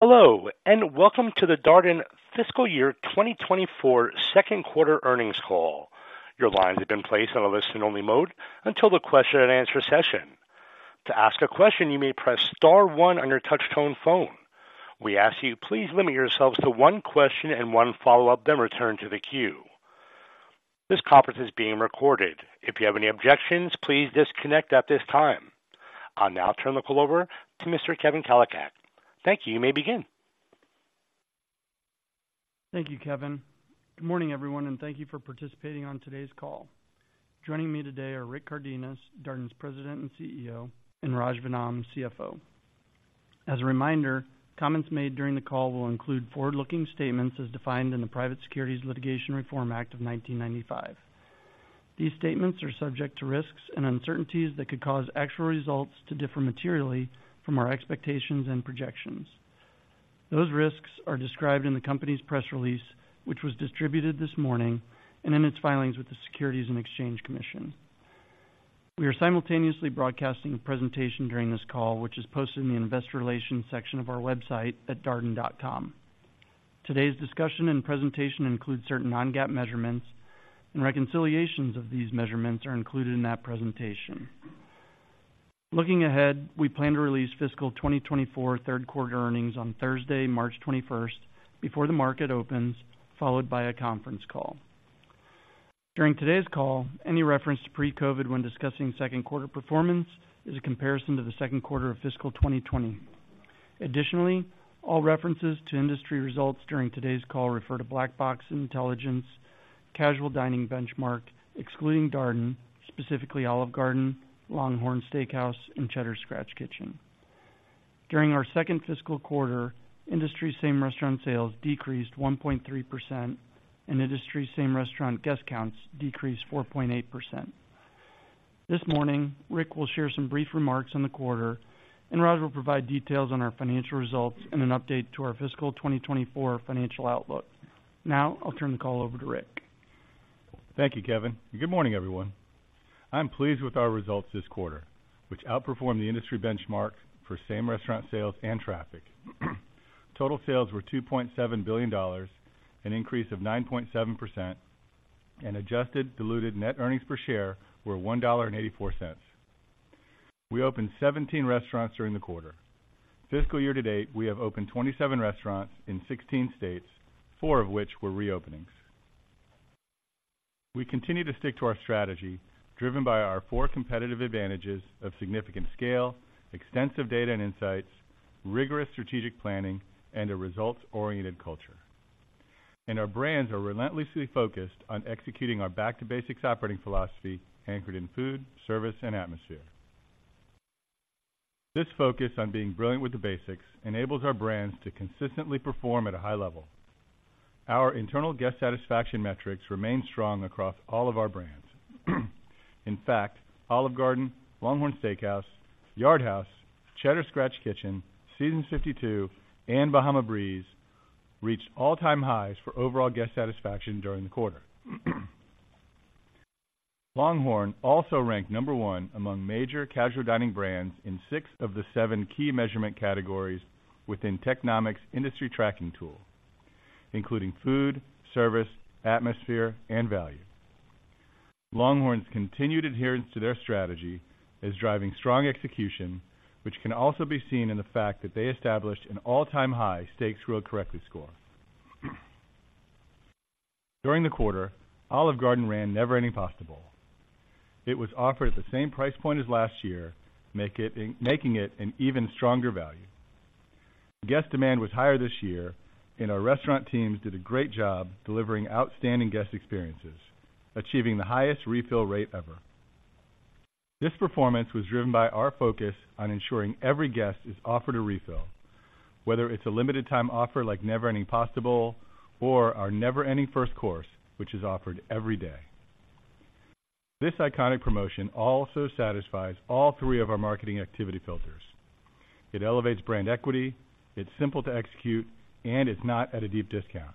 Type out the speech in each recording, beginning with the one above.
Hello, and welcome to the Darden Fiscal Year 2024 Q2 earnings call. Your lines have been placed on a listen-only mode until the question-and-answer session. To ask a question, you may press star one on your touchtone phone. We ask you, please limit yourselves to one question and one follow-up, then return to the queue. This conference is being recorded. If you have any objections, please disconnect at this time. I'll now turn the call over to Mr. Kevin Kalicak. Thank you. You may begin. Thank you, Kevin. Good morning, everyone, and thank you for participating on today's call. Joining me today are Rick Cardenas, Darden's President and CEO, and Raj Vennam, CFO. As a reminder, comments made during the call will include forward-looking statements as defined in the Private Securities Litigation Reform Act of 1995. These statements are subject to risks and uncertainties that could cause actual results to differ materially from our expectations and projections. Those risks are described in the company's press release, which was distributed this morning, and in its filings with the Securities and Exchange Commission. We are simultaneously broadcasting a presentation during this call, which is posted in the Investor Relations section of our website at darden.com. Today's discussion and presentation includes certain non-GAAP measurements, and reconciliations of these measurements are included in that presentation. Looking ahead, we plan to release fiscal 2024 Q3 earnings on Thursday, March 21st, before the market opens, followed by a conference call. During today's call, any reference to pre-COVID when discussing Q2 performance is a comparison to the Q2 of fiscal 2020. Additionally, all references to industry results during today's call refer to Black Box Intelligence, casual dining benchmark, excluding Darden, specifically Olive Garden, LongHorn Steakhouse, and Cheddar's Scratch Kitchen. During our second fiscal quarter, industry same-restaurant sales decreased 1.3%, and industry same-restaurant guest counts decreased 4.8%. This morning, Rick will share some brief remarks on the quarter, and Raj will provide details on our financial results and an update to our fiscal 2024 financial outlook. Now, I'll turn the call over to Rick. Thank you, Kevin, and good morning, everyone. I'm pleased with our results this quarter, which outperformed the industry benchmark for same-restaurant sales and traffic. Total sales were $2.7 billion, an increase of 9.7%, and adjusted diluted net earnings per share were $1.84. We opened 17 restaurants during the quarter. Fiscal year-to-date, we have opened 27 restaurants in 16 states, four of which were reopenings. We continue to stick to our strategy, driven by our four competitive advantages of significant scale, extensive data and insights, rigorous strategic planning, and a results-oriented culture. Our brands are relentlessly focused on executing our back-to-basics operating philosophy, anchored in food, service, and atmosphere. This focus on being brilliant with the basics enables our brands to consistently perform at a high level. Our internal guest satisfaction metrics remain strong across all of our brands. In fact, Olive Garden, LongHorn Steakhouse, Yard House, Cheddar's Scratch Kitchen, Seasons 52, and Bahama Breeze reached all-time highs for overall guest satisfaction during the quarter. LongHorn also ranked number one among major casual dining brands in six of the seven key measurement categories within Technomic's industry tracking tool, including food, service, atmosphere, and value. LongHorn's continued adherence to their strategy is driving strong execution, which can also be seen in the fact that they established an all-time high Steaks Grilled Correctly score. During the quarter, Olive Garden ran Never Ending Pasta Bowl. It was offered at the same price point as last year, making it an even stronger value. Guest demand was higher this year, and our restaurant teams did a great job delivering outstanding guest experiences, achieving the highest refill rate ever. This performance was driven by our focus on ensuring every guest is offered a refill, whether it's a limited time offer like Never Ending Pasta Bowl or our Never Ending First Course, which is offered every day. This iconic promotion also satisfies all three of our marketing activity filters. It elevates brand equity, it's simple to execute, and it's not at a deep discount.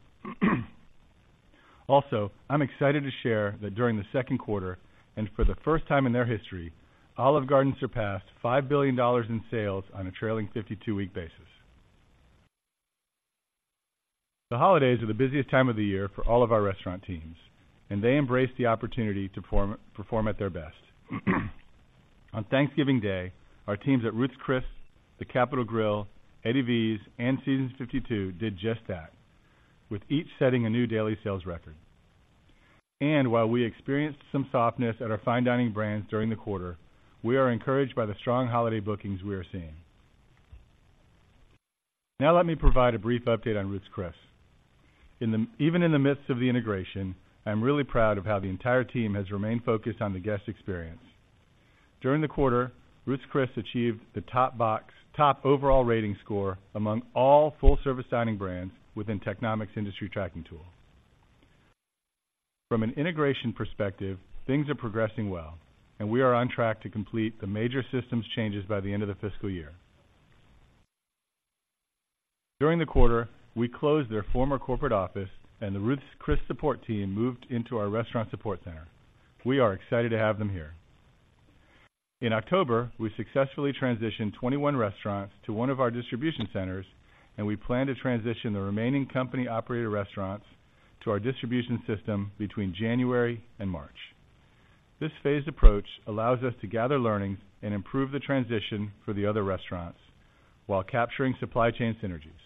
Also, I'm excited to share that during the Q2, and for the first time in their history, Olive Garden surpassed $5 billion in sales on a trailing 52-week basis. The holidays are the busiest time of the year for all of our restaurant teams, and they embrace the opportunity to perform at their best. On Thanksgiving Day, our teams at Ruth's Chris, The Capital Grille, Eddie V's, and Seasons 52 did just that, with each setting a new daily sales record. And while we experienced some softness at our fine dining brands during the quarter, we are encouraged by the strong holiday bookings we are seeing. Now, let me provide a brief update on Ruth's Chris. Even in the midst of the integration, I'm really proud of how the entire team has remained focused on the guest experience. During the quarter, Ruth's Chris achieved the top box, top overall rating score among all full-service dining brands within Technomic's industry tracking tool. From an integration perspective, things are progressing well, and we are on track to complete the major systems changes by the end of the fiscal year. During the quarter, we closed their former corporate office and the Ruth's Chris support team moved into our restaurant support center. We are excited to have them here.... In October, we successfully transitioned 21 restaurants to one of our distribution centers, and we plan to transition the remaining company-operated restaurants to our distribution system between January and March. This phased approach allows us to gather learnings and improve the transition for the other restaurants while capturing supply chain synergies.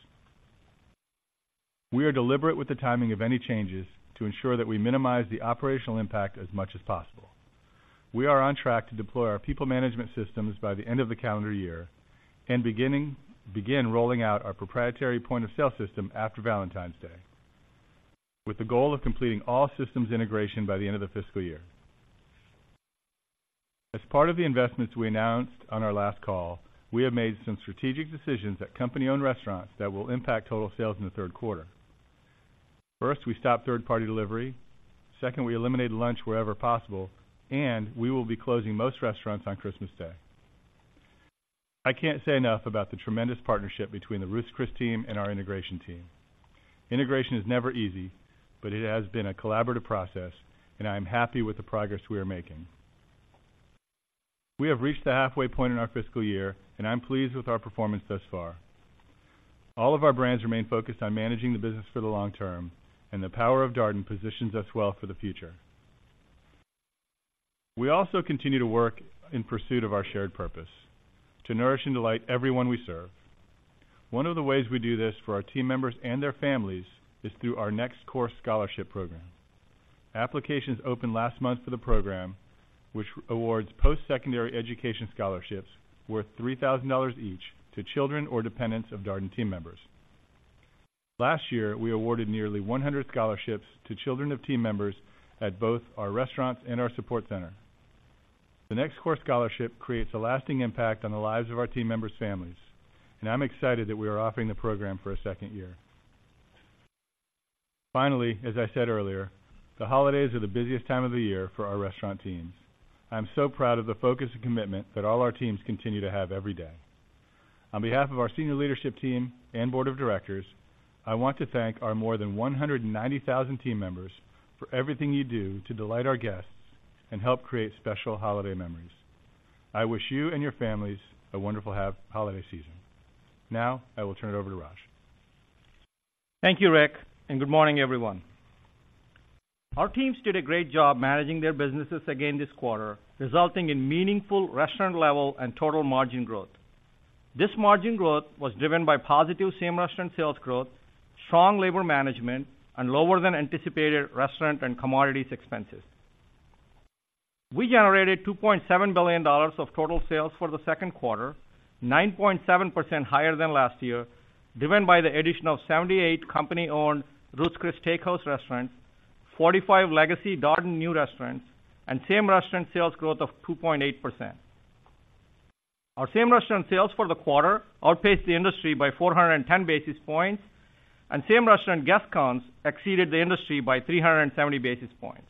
We are deliberate with the timing of any changes to ensure that we minimize the operational impact as much as possible. We are on track to deploy our people management systems by the end of the calendar year and begin rolling out our proprietary point-of-sale system after Valentine's Day, with the goal of completing all systems integration by the end of the fiscal year. As part of the investments we announced on our last call, we have made some strategic decisions at company-owned restaurants that will impact total sales in the Q3. First, we stopped third-party delivery. Second, we eliminated lunch wherever possible, and we will be closing most restaurants on Christmas Day. I can't say enough about the tremendous partnership between the Ruth's Chris team and our integration team. Integration is never easy, but it has been a collaborative process, and I am happy with the progress we are making. We have reached the halfway point in our fiscal year, and I'm pleased with our performance thus far. All of our brands remain focused on managing the business for the long term, and the power of Darden positions us well for the future. We also continue to work in pursuit of our shared purpose: to nourish and delight everyone we serve. One of the ways we do this for our team members and their families is through our Next Course Scholarship Program. Applications opened last month for the program, which awards post-secondary education scholarships worth $3,000 each to children or dependents of Darden team members. Last year, we awarded nearly 100 scholarships to children of team members at both our restaurants and our support center. The Next Course Scholarship creates a lasting impact on the lives of our team members' families, and I'm excited that we are offering the program for a second year. Finally, as I said earlier, the holidays are the busiest time of the year for our restaurant teams. I'm so proud of the focus and commitment that all our teams continue to have every day. On behalf of our senior leadership team and Board of Directors, I want to thank our more than 190,000 team members for everything you do to delight our guests and help create special holiday memories. I wish you and your families a wonderful holiday season. Now, I will turn it over to Raj. Thank you, Rick, and good morning, everyone. Our teams did a great job managing their businesses again this quarter, resulting in meaningful restaurant level and total margin growth. This margin growth was driven by positive same-restaurant sales growth, strong labor management, and lower than anticipated restaurant and commodities expenses. We generated $2.7 billion of total sales for the Q2, 9.7% higher than last year, driven by the addition of 78 company-owned Ruth's Chris Steak House restaurants, 45 legacy Darden new restaurants, and same-restaurant sales growth of 2.8%. Our same-restaurant sales for the quarter outpaced the industry by 410 basis points, and same-restaurant guest counts exceeded the industry by 370 basis points.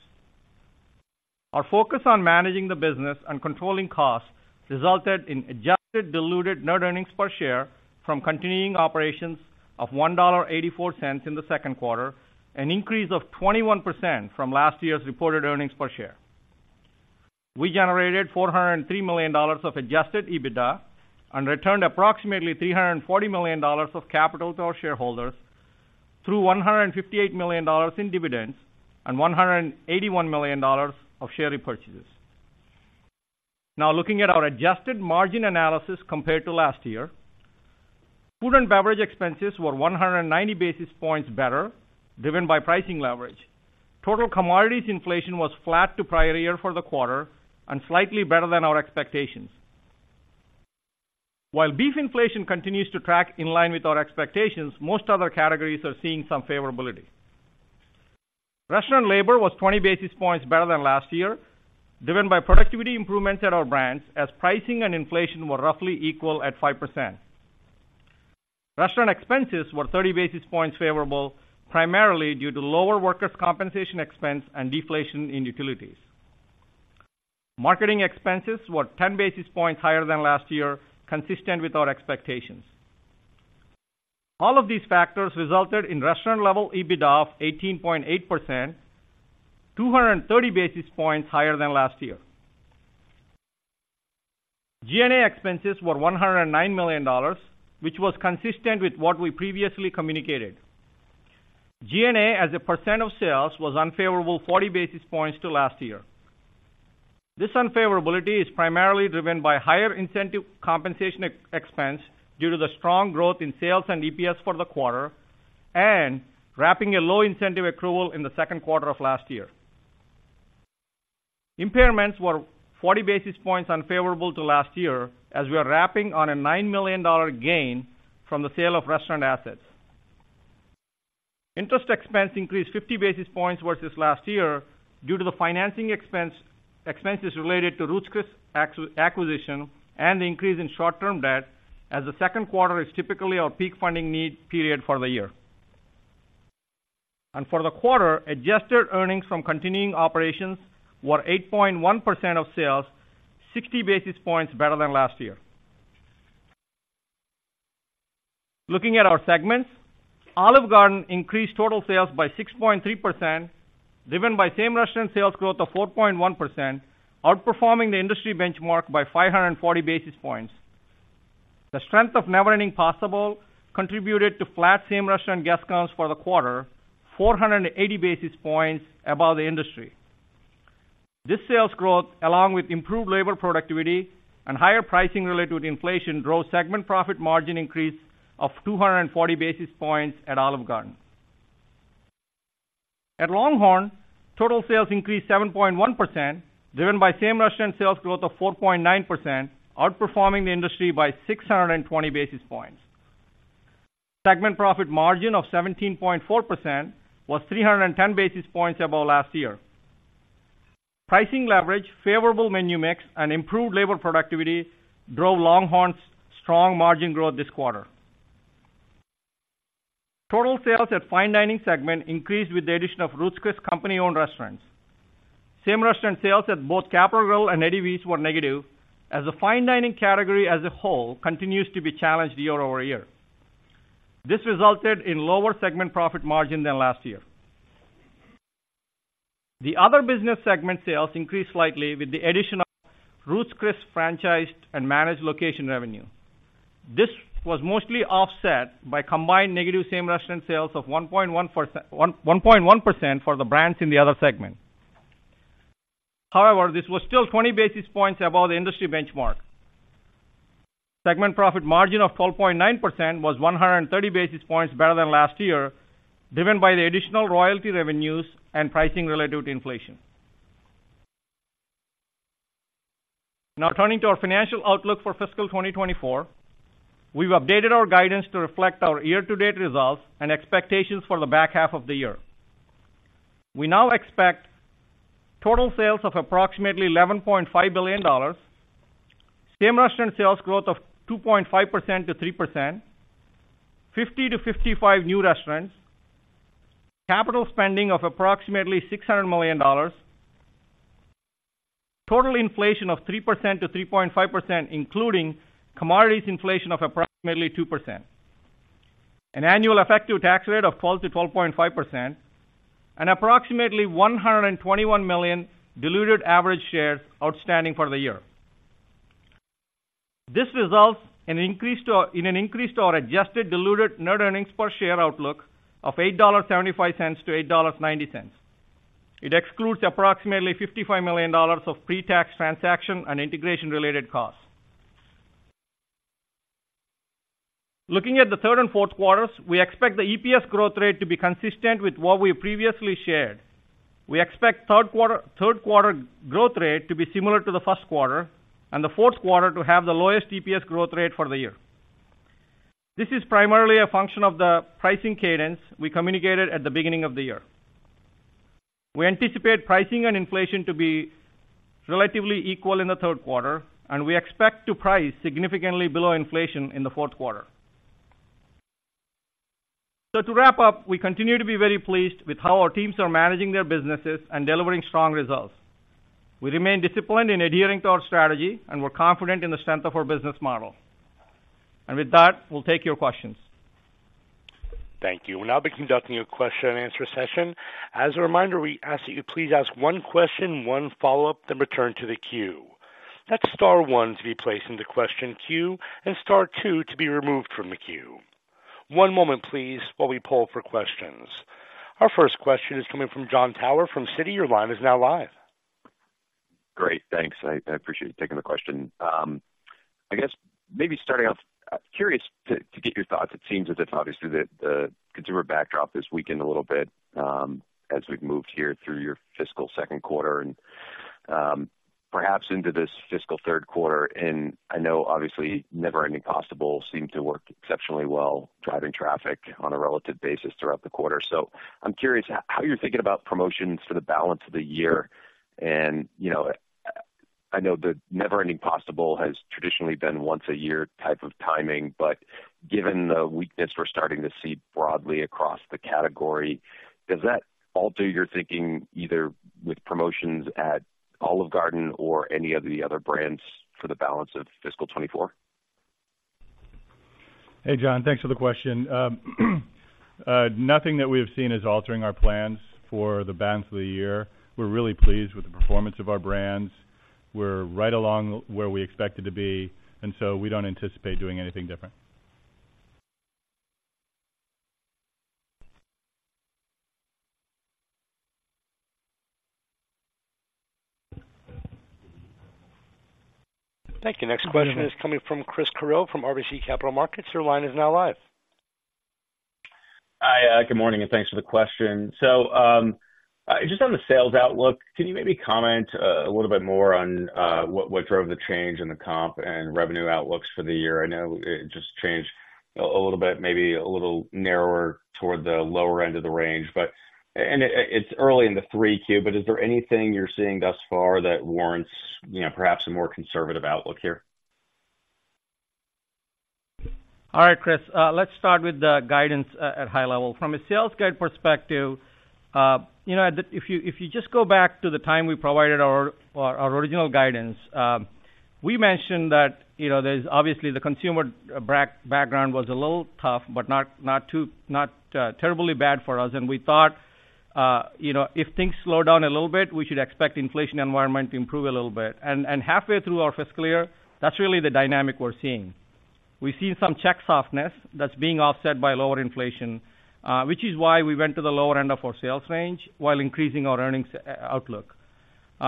Our focus on managing the business and controlling costs resulted in adjusted diluted net earnings per share from continuing operations of $1.84 in the Q2, an increase of 21% from last year's reported earnings per share. We generated $403 million of adjusted EBITDA and returned approximately $340 million of capital to our shareholders through $158 million in dividends and $181 million of share repurchases. Now, looking at our adjusted margin analysis compared to last year, food and beverage expenses were 190 basis points better, driven by pricing leverage. Total commodities inflation was flat to prior year for the quarter and slightly better than our expectations. While beef inflation continues to track in line with our expectations, most other categories are seeing some favorability. Restaurant labor was 20 basis points better than last year, driven by productivity improvements at our brands as pricing and inflation were roughly equal at 5%. Restaurant expenses were 30 basis points favorable, primarily due to lower workers' compensation expense and deflation in utilities. Marketing expenses were 10 basis points higher than last year, consistent with our expectations. All of these factors resulted in restaurant-level EBITDA of 18.8%, 230 basis points higher than last year. G&A expenses were $109 million, which was consistent with what we previously communicated. G&A, as a percent of sales, was unfavorable 40 basis points to last year. This unfavorability is primarily driven by higher incentive compensation expense due to the strong growth in sales and EPS for the quarter and lapping a low incentive accrual in the Q2 of last year. Impairments were 40 basis points unfavorable to last year, as we lapped a $9 million gain from the sale of restaurant assets. Interest expense increased 50 basis points versus last year due to the financing expenses related to Ruth's Chris acquisition and the increase in short-term debt, as the Q2 is typically our peak funding need period for the year. For the quarter, adjusted earnings from continuing operations were 8.1% of sales, 60 basis points better than last year. Looking at our segments, Olive Garden increased total sales by 6.3%, driven by same-restaurant sales growth of 4.1%, outperforming the industry benchmark by 540 basis points. The strength of Never Ending Pasta Bowl contributed to flat same-restaurant guest counts for the quarter, 480 basis points above the industry. This sales growth, along with improved labor productivity and higher pricing related to inflation, drove segment profit margin increase of 240 basis points at Olive Garden. At LongHorn, total sales increased 7.1%, driven by same-restaurant sales growth of 4.9%, outperforming the industry by 620 basis points. Segment profit margin of 17.4% was 310 basis points above last year. Pricing leverage, favorable menu mix, and improved labor productivity drove LongHorn's strong margin growth this quarter. Total sales at fine dining segment increased with the addition of Ruth's Chris company-owned restaurants. Same-restaurant sales at both Capital Grille and Eddie V's were negative, as the fine dining category as a whole continues to be challenged year-over-year. This resulted in lower segment profit margin than last year. The Other Business segment sales increased slightly with the addition of Ruth's Chris franchised and managed location revenue. This was mostly offset by combined negative same-restaurant sales of 1.1% for the brands in the other segment. However, this was still 20 basis points above the industry benchmark. Segment profit margin of 12.9% was 130 basis points better than last year, driven by the additional royalty revenues and pricing related to inflation. Now, turning to our financial outlook for fiscal 2024, we've updated our guidance to reflect our year-to-date results and expectations for the back half of the year. We now expect total sales of approximately $11.5 billion, same-restaurant sales growth of 2.5%-3%, 50-55 new restaurants, capital spending of approximately $600 million, total inflation of 3%-3.5%, including commodities inflation of approximately 2%, an annual effective tax rate of 12%-12.5%, and approximately 121 million diluted average shares outstanding for the year. This results in an increased adjusted diluted net earnings per share outlook of $8.75-$8.90. It excludes approximately $55 million of pre-tax transaction and integration-related costs. Looking at the third and Q4, we expect the EPS growth rate to be consistent with what we previously shared. We expect Q3, Q3 growth rate to be similar to the Q1 and the Q4 to have the lowest EPS growth rate for the year. This is primarily a function of the pricing cadence we communicated at the beginning of the year. We anticipate pricing and inflation to be relatively equal in the Q3, and we expect to price significantly below inflation in the Q4. To wrap up, we continue to be very pleased with how our teams are managing their businesses and delivering strong results. We remain disciplined in adhering to our strategy, and we're confident in the strength of our business model. With that, we'll take your questions. Thank you. We'll now be conducting a question-and-answer session. As a reminder, we ask that you please ask one question, one follow-up, then return to the queue. That's star one to be placed into question queue and star two to be removed from the queue. One moment, please, while we poll for questions. Our first question is coming from Jon Tower from Citi. Your line is now live. Great, thanks. I appreciate you taking the question. I guess maybe starting off, curious to get your thoughts. It seems as if, obviously, that the consumer backdrop has weakened a little bit, as we've moved here through your fiscal Q2 and, perhaps into this fiscal Q3. And I know obviously, Never Ending Pasta Bowl seemed to work exceptionally well, driving traffic on a relative basis throughout the quarter. So I'm curious how you're thinking about promotions for the balance of the year. And, you know, I know the Never Ending Pasta Bowl has traditionally been once a year type of timing, but given the weakness we're starting to see broadly across the category, does that alter your thinking, either with promotions at Olive Garden or any of the other brands for the balance of fiscal 2024? Hey, Jon, thanks for the question. Nothing that we have seen is altering our plans for the balance of the year. We're really pleased with the performance of our brands. We're right along where we expected to be, and so we don't anticipate doing anything different. Thank you. Next question is coming from Chris Carril from RBC Capital Markets. Your line is now live. Hi, good morning, and thanks for the question. So, just on the sales outlook, can you maybe comment a little bit more on what drove the change in the comp and revenue outlooks for the year? I know it just changed a little bit, maybe a little narrower toward the lower end of the range, but it's early in the Q3, but is there anything you're seeing thus far that warrants, you know, perhaps a more conservative outlook here? All right, Chris, let's start with the guidance at high level. From a sales guide perspective, you know, at the—if you just go back to the time we provided our original guidance, we mentioned that, you know, there's obviously the consumer background was a little tough, but not too—not terribly bad for us, and we thought... you know, if things slow down a little bit, we should expect inflation environment to improve a little bit. And halfway through our fiscal year, that's really the dynamic we're seeing. We've seen some check softness that's being offset by lower inflation, which is why we went to the lower end of our sales range while increasing our earnings outlook.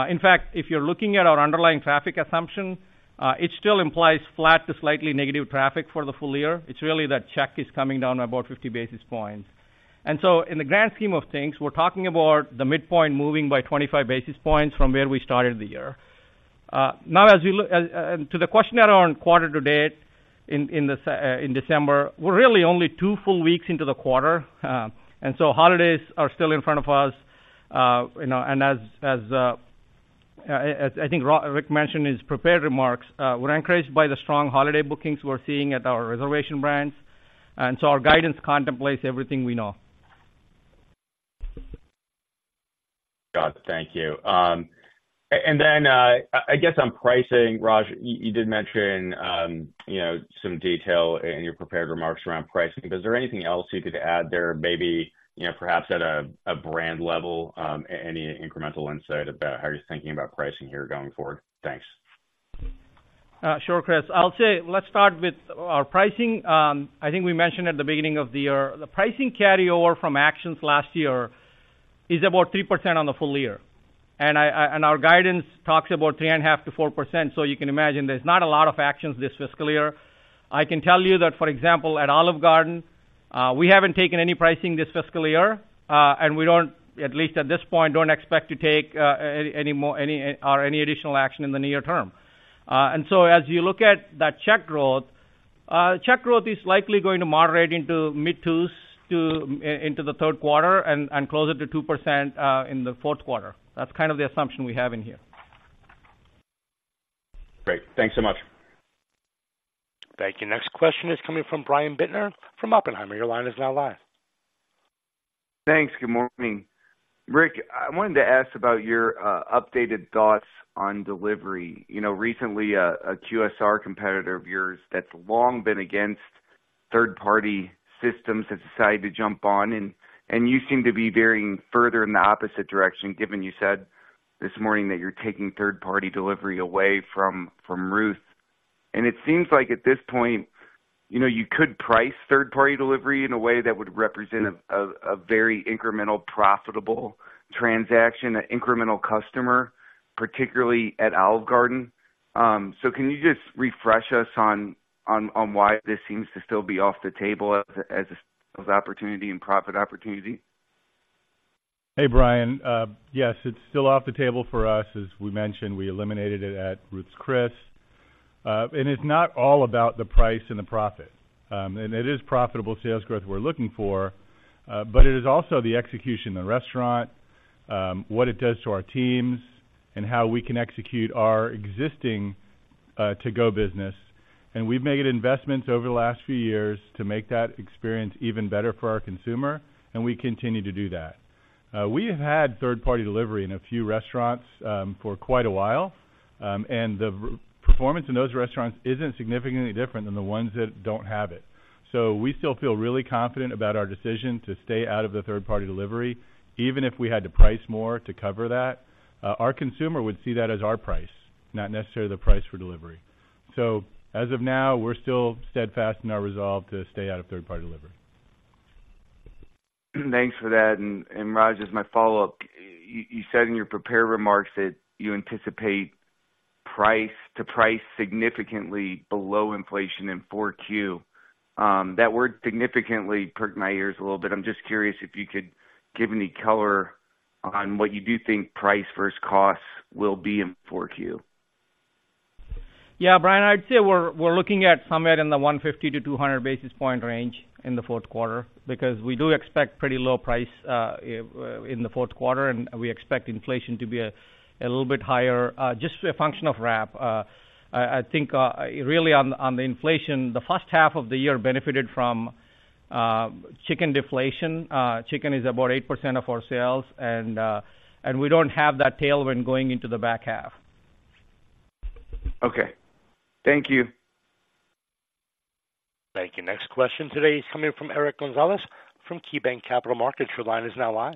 In fact, if you're looking at our underlying traffic assumption, it still implies flat to slightly negative traffic for the full year. It's really that check is coming down about 50 basis points. And so in the grand scheme of things, we're talking about the midpoint moving by 25 basis points from where we started the year. Now as we look to the question around quarter-to-date, in December, we're really only two full weeks into the quarter. And so holidays are still in front of us. You know, and as I think Rick mentioned in his prepared remarks, we're encouraged by the strong holiday bookings we're seeing at our reservation brands, and so our guidance contemplates everything we know. Got it. Thank you. And then, I guess on pricing, Raj, you, you did mention, you know, some detail in your prepared remarks around pricing. But is there anything else you could add there, maybe, you know, perhaps at a brand level, any incremental insight about how you're thinking about pricing here going forward? Thanks. Sure, Chris. I'll say, let's start with our pricing. I think we mentioned at the beginning of the year, the pricing carryover from actions last year is about 3% on the full year, and our guidance talks about 3.5%-4%. So you can imagine there's not a lot of actions this fiscal year. I can tell you that, for example, at Olive Garden, we haven't taken any pricing this fiscal year, and we don't, at least at this point, don't expect to take any more, any, or any additional action in the near term. And so as you look at that check growth, check growth is likely going to moderate into mid-2s into the Q3 and closer to 2% in the Q4. That's kind of the assumption we have in here. Great. Thanks so much. Thank you. Next question is coming from Brian Bittner from Oppenheimer. Your line is now live. Thanks. Good morning. Rick, I wanted to ask about your updated thoughts on delivery. You know, recently, a QSR competitor of yours that's long been against third-party systems has decided to jump on, and you seem to be veering further in the opposite direction, given you said this morning that you're taking third-party delivery away from Ruth's. And it seems like at this point, you know, you could price third-party delivery in a way that would represent a very incremental, profitable transaction, an incremental customer, particularly at Olive Garden. So can you just refresh us on why this seems to still be off the table as opportunity and profit opportunity? Hey, Brian. Yes, it's still off the same table for us. As we mentioned, we eliminated it at Ruth's Chris. It's not all about the price and the profit. It is profitable sales growth we're looking for, but it is also the execution of the restaurant, what it does to our teams, and how we can execute our existing to-go business. We've made investments over the last few years to make that experience even better for our consumer, and we continue to do that. We have had third-party delivery in a few restaurants for quite a while, and the performance in those restaurants isn't significantly different than the ones that don't have it. So we still feel really confident about our decision to stay out of the third-party delivery. Even if we had to price more to cover that, our consumer would see that as our price, not necessarily the price for delivery. So as of now, we're still steadfast in our resolve to stay out of third-party delivery. Thanks for that. And, Raj, as my follow-up, you said in your prepared remarks that you anticipate price to price significantly below inflation in Q4. That word significantly perked my ears a little bit. I'm just curious if you could give any color on what you do think price versus costs will be in Q4. Yeah, Brian, I'd say we're looking at somewhere in the 150-200 basis point range in the Q4, because we do expect pretty low price in the Q4, and we expect inflation to be a little bit higher, just a function of lap. I think really on the inflation, the first half of the year benefited from chicken deflation. Chicken is about 8% of our sales, and we don't have that tailwind going into the back half. Okay. Thank you. Thank you. Next question today is coming from Eric Gonzalez, from KeyBanc Capital Markets. Your line is now live.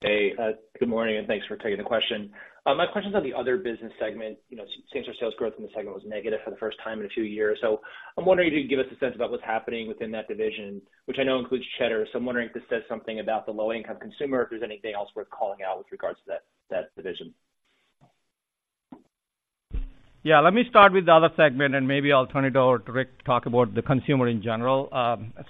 Hey, good morning, and thanks for taking the question. My question is on the Other Business segment. You know, same store sales growth in the second was negative for the first time in a few years. So I'm wondering if you can give us a sense about what's happening within that division, which I know includes Cheddar. So I'm wondering if this says something about the low-income consumer, or if there's anything else worth calling out with regards to that, that division. Yeah, let me start with the other segment, and maybe I'll turn it over to Rick to talk about the consumer in general.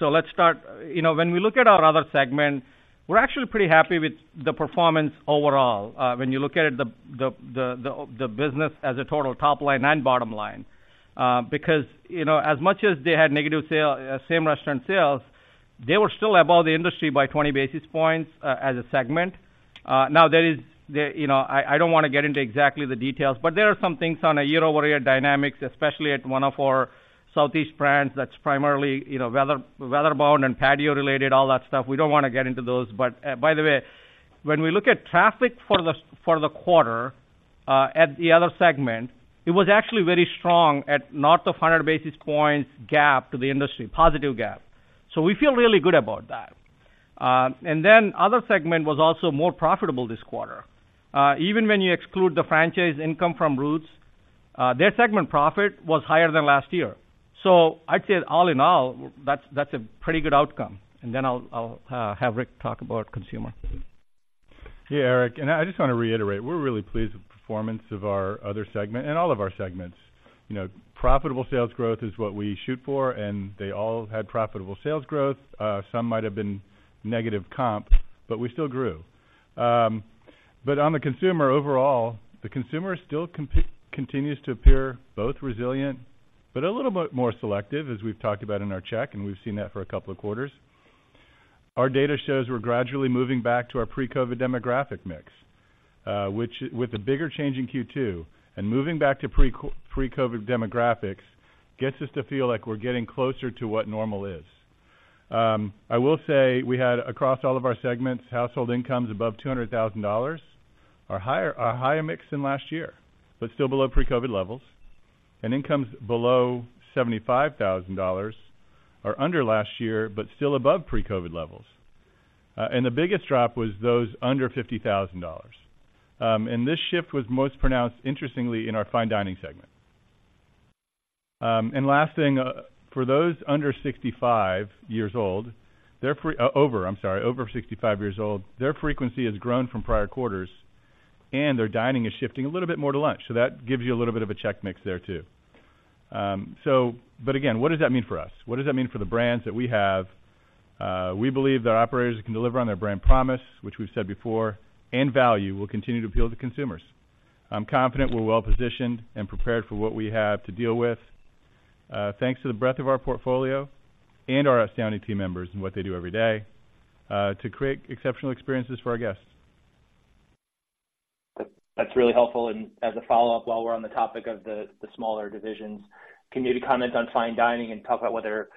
So let's start. You know, when we look at our other segment, we're actually pretty happy with the performance overall, when you look at it, the business as a total top line and bottom line, because, you know, as much as they had negative same-restaurant sales, they were still above the industry by 20 basis points, as a segment. Now, there is, you know, I don't want to get into exactly the details, but there are some things on a year-over-year dynamics, especially at one of our southeast brands, that's primarily, you know, weather bound and patio related, all that stuff. We don't want to get into those. But, by the way, when we look at traffic for the quarter at the other segment, it was actually very strong at north of 100 basis points gap to the industry, positive gap. So we feel really good about that. And then other segment was also more profitable this quarter. Even when you exclude the franchise income from Ruth's, their segment profit was higher than last year. So I'd say all in all, that's a pretty good outcome. And then I'll have Rick talk about consumer. Yeah, Eric, and I just wanna reiterate, we're really pleased with the performance of our other segment and all of our segments. You know, profitable sales growth is what we shoot for, and they all had profitable sales growth. Some might have been negative comp, but we still grew. But on the consumer overall, the consumer still continues to appear both resilient but a little bit more selective, as we've talked about in our check, and we've seen that for a couple of quarters. Our data shows we're gradually moving back to our pre-COVID demographic mix, which, with a bigger change in Q2, and moving back to pre-COVID demographics gets us to feel like we're getting closer to what normal is. I will say we had, across all of our segments, household incomes above $200,000 are higher, are higher mix than last year, but still below pre-COVID levels, and incomes below $75,000 are under last year, but still above pre-COVID levels. And the biggest drop was those under $50,000. And this shift was most pronounced, interestingly, in our fine dining segment. And last thing, for those over 65 years old, their frequency has grown from prior quarters, and their dining is shifting a little bit more to lunch. So that gives you a little bit of a check mix there, too. So but again, what does that mean for us? What does that mean for the brands that we have? We believe that operators can deliver on their brand promise, which we've said before, and value will continue to appeal to consumers. I'm confident we're well positioned and prepared for what we have to deal with, thanks to the breadth of our portfolio and our astounding team members and what they do every day, to create exceptional experiences for our guests. That's really helpful. As a follow-up, while we're on the topic of the smaller divisions, can you maybe comment on fine dining and talk about whether,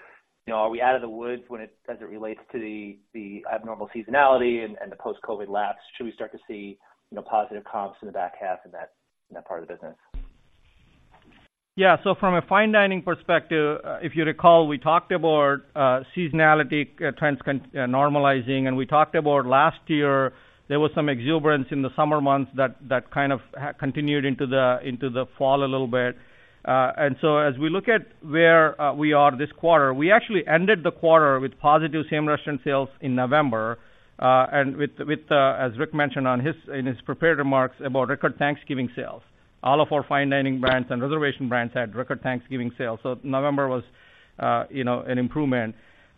you know, are we out of the woods when it, as it relates to the abnormal seasonality and the post-COVID lapse? Should we start to see, you know, positive comps in the back half in that part of the business? Yeah. So from a fine dining perspective, if you recall, we talked about seasonality trends normalizing, and we talked about last year, there was some exuberance in the summer months that kind of continued into the fall a little bit. And so as we look at where we are this quarter, we actually ended the quarter with positive same-restaurant sales in November, and with, as Rick mentioned in his prepared remarks about record Thanksgiving sales. All of our fine dining brands and reservation brands had record Thanksgiving sales, so November was, you know, an improvement.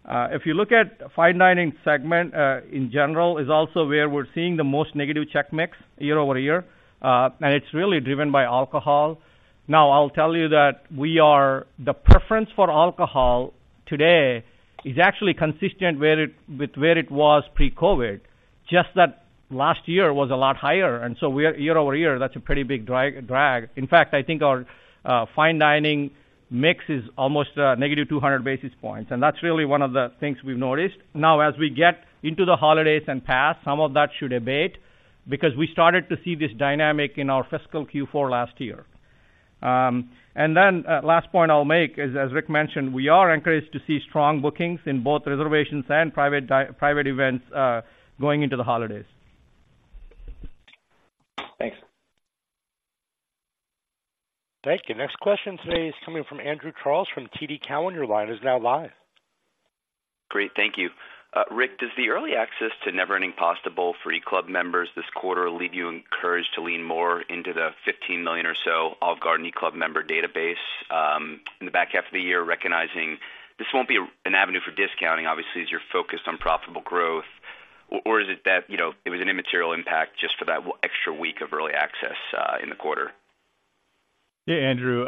If you look at fine dining segment in general, is also where we're seeing the most negative check mix year-over-year, and it's really driven by alcohol. Now, I'll tell you that the preference for alcohol today is actually consistent with where it was pre-COVID, just that last year was a lot higher, and so we are year-over-year, that's a pretty big drag, drag. In fact, I think our fine dining mix is almost negative 200 basis points, and that's really one of the things we've noticed. Now, as we get into the holidays and past, some of that should abate because we started to see this dynamic in our fiscal Q4 last year. And then, last point I'll make is, as Rick mentioned, we are encouraged to see strong bookings in both reservations and private events going into the holidays. Thanks. Thank you. Next question today is coming from Andrew Charles from TD Cowen. Your line is now live. Great, thank you. Rick, does the early access to Never Ending Pasta Bowl for eClub members this quarter leave you encouraged to lean more into the 15 million or so Olive Garden eClub member database, in the back half of the year, recognizing this won't be an avenue for discounting, obviously, as you're focused on profitable growth? Or, or is it that, you know, it was an immaterial impact just for that extra week of early access, in the quarter? Yeah, Andrew,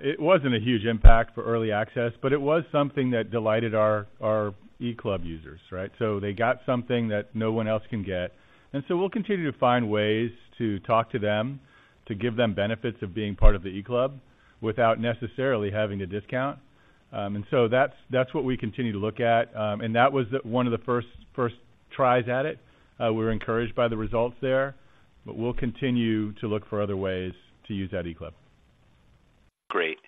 it wasn't a huge impact for early access, but it was something that delighted our eClub users, right? So they got something that no one else can get. And so we'll continue to find ways to talk to them, to give them benefits of being part of the eClub without necessarily having to discount. And so that's what we continue to look at, and that was one of the first tries at it. We're encouraged by the results there, but we'll continue to look for other ways to use that eClub. Great.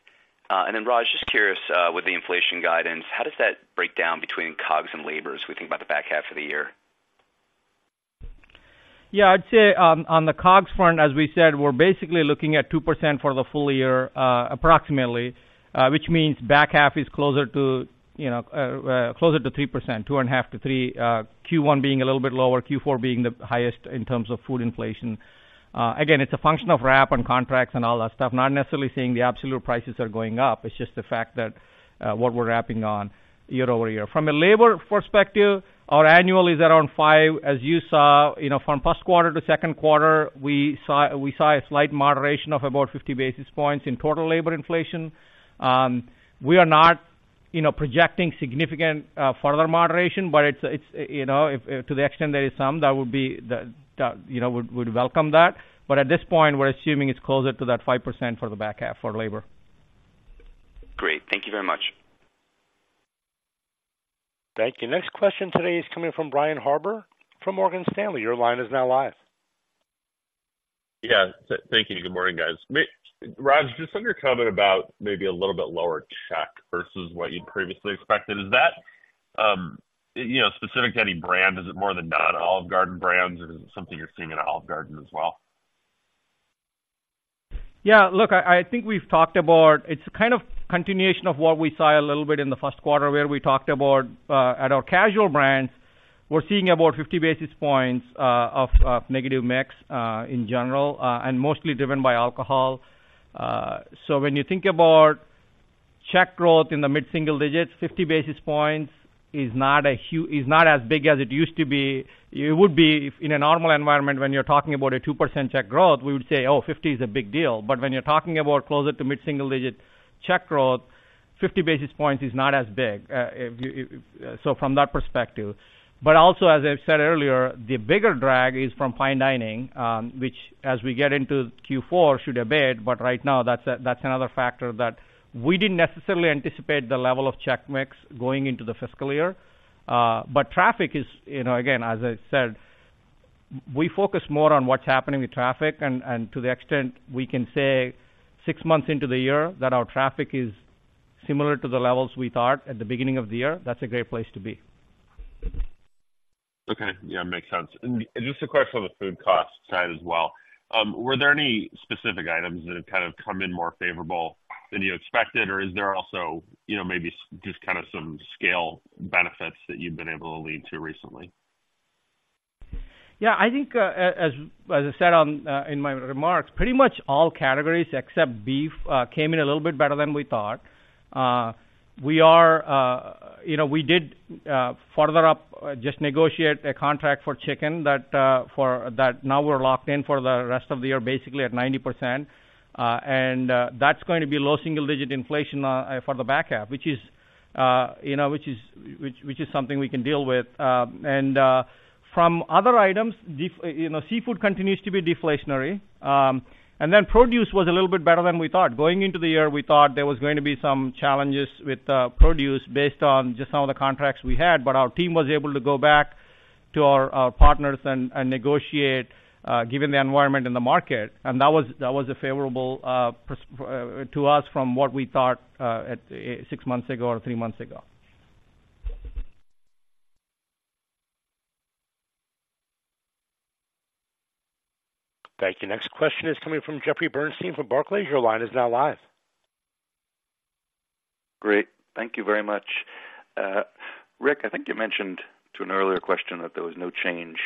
And then, Raj, just curious, with the inflation guidance, how does that break down between COGS and labor as we think about the back half of the year? Yeah, I'd say, on the COGS front, as we said, we're basically looking at 2% for the full year, approximately, which means back half is closer to, you know, closer to 3%, 2.5%-3%, Q1 being a little bit lower, Q4 being the highest in terms of food inflation. Again, it's a function of wrap and contracts and all that stuff, not necessarily saying the absolute prices are going up. It's just the fact that what we're lapping on year-over-year. From a labor perspective, our annual is around 5%. As you saw, you know, from Q1 to Q2, we saw a slight moderation of about 50 basis points in total labor inflation. We are not, you know, projecting significant further moderation, but it's, you know, if, to the extent there is some, that would be, you know, we'd welcome that. But at this point, we're assuming it's closer to that 5% for the back half for labor. Great. Thank you very much. Thank you. Next question today is coming from Brian Harbour from Morgan Stanley. Your line is now live. Yeah, thank you. Good morning, guys. Raj, just on your comment about maybe a little bit lower check versus what you'd previously expected, is that, you know, specific to any brand? Is it more non-Olive Garden brands, or is it something you're seeing in Olive Garden as well? Yeah, look, I think we've talked about. It's kind of continuation of what we saw a little bit in the Q1, where we talked about, at our casual brands, we're seeing about 50 basis points of negative mix in general, and mostly driven by alcohol. So when you think about check growth in the mid-single digits, 50 basis points is not as big as it used to be. It would be in a normal environment, when you're talking about a 2% check growth, we would say, "Oh, 50 is a big deal." But when you're talking about closer to mid-single-digit check growth, 50 basis points is not as big, if you, if. So from that perspective. But also, as I've said earlier, the bigger drag is from fine dining, which, as we get into Q4, should abate, but right now, that's another factor that we didn't necessarily anticipate the level of check mix going into the fiscal year. But traffic is, you know, again, as I said, we focus more on what's happening with traffic and to the extent we can say six months into the year that our traffic is similar to the levels we thought at the beginning of the year, that's a great place to be. Okay. Yeah, makes sense. Just a question on the food cost side as well. Were there any specific items that have kind of come in more favorable than you expected, or is there also, you know, maybe just kind of some scale benefits that you've been able to lead to recently? Yeah, I think, as I said on... In my remarks, pretty much all categories, except beef, came in a little bit better than we thought. We are, you know, we did, further up, just negotiate a contract for chicken that, for... That now we're locked in for the rest of the year, basically at 90%. And, that's going to be low single digit inflation, for the back half, which is, you know, which is, which is something we can deal with. And, from other items, deflationary you know, seafood continues to be deflationary. And then produce was a little bit better than we thought. Going into the year, we thought there was going to be some challenges with produce based on just some of the contracts we had, but our team was able to go back to our partners and negotiate given the environment in the market, and that was a favorable to us from what we thought at six months ago or three months ago. Thank you. Next question is coming from Jeffrey Bernstein from Barclays. Your line is now live. Great. Thank you very much. Rick, I think you mentioned to an earlier question that there was no change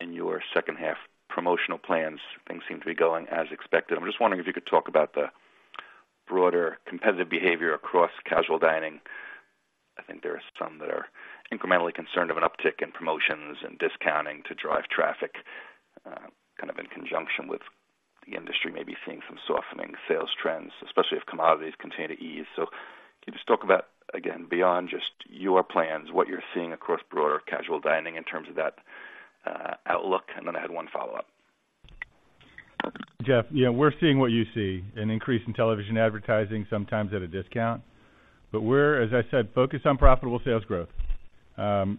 in your second half promotional plans. Things seem to be going as expected. I'm just wondering if you could talk about the broader competitive behavior across casual dining. I think there are some that are incrementally concerned of an uptick in promotions and discounting to drive traffic, kind of in conjunction with the industry may be seeing some softening sales trends, especially if commodities continue to ease. So can you just talk about, again, beyond just your plans, what you're seeing across broader casual dining in terms of that, outlook? And then I had one follow-up. Jeff, yeah, we're seeing what you see, an increase in television advertising, sometimes at a discount. But we're, as I said, focused on profitable sales growth.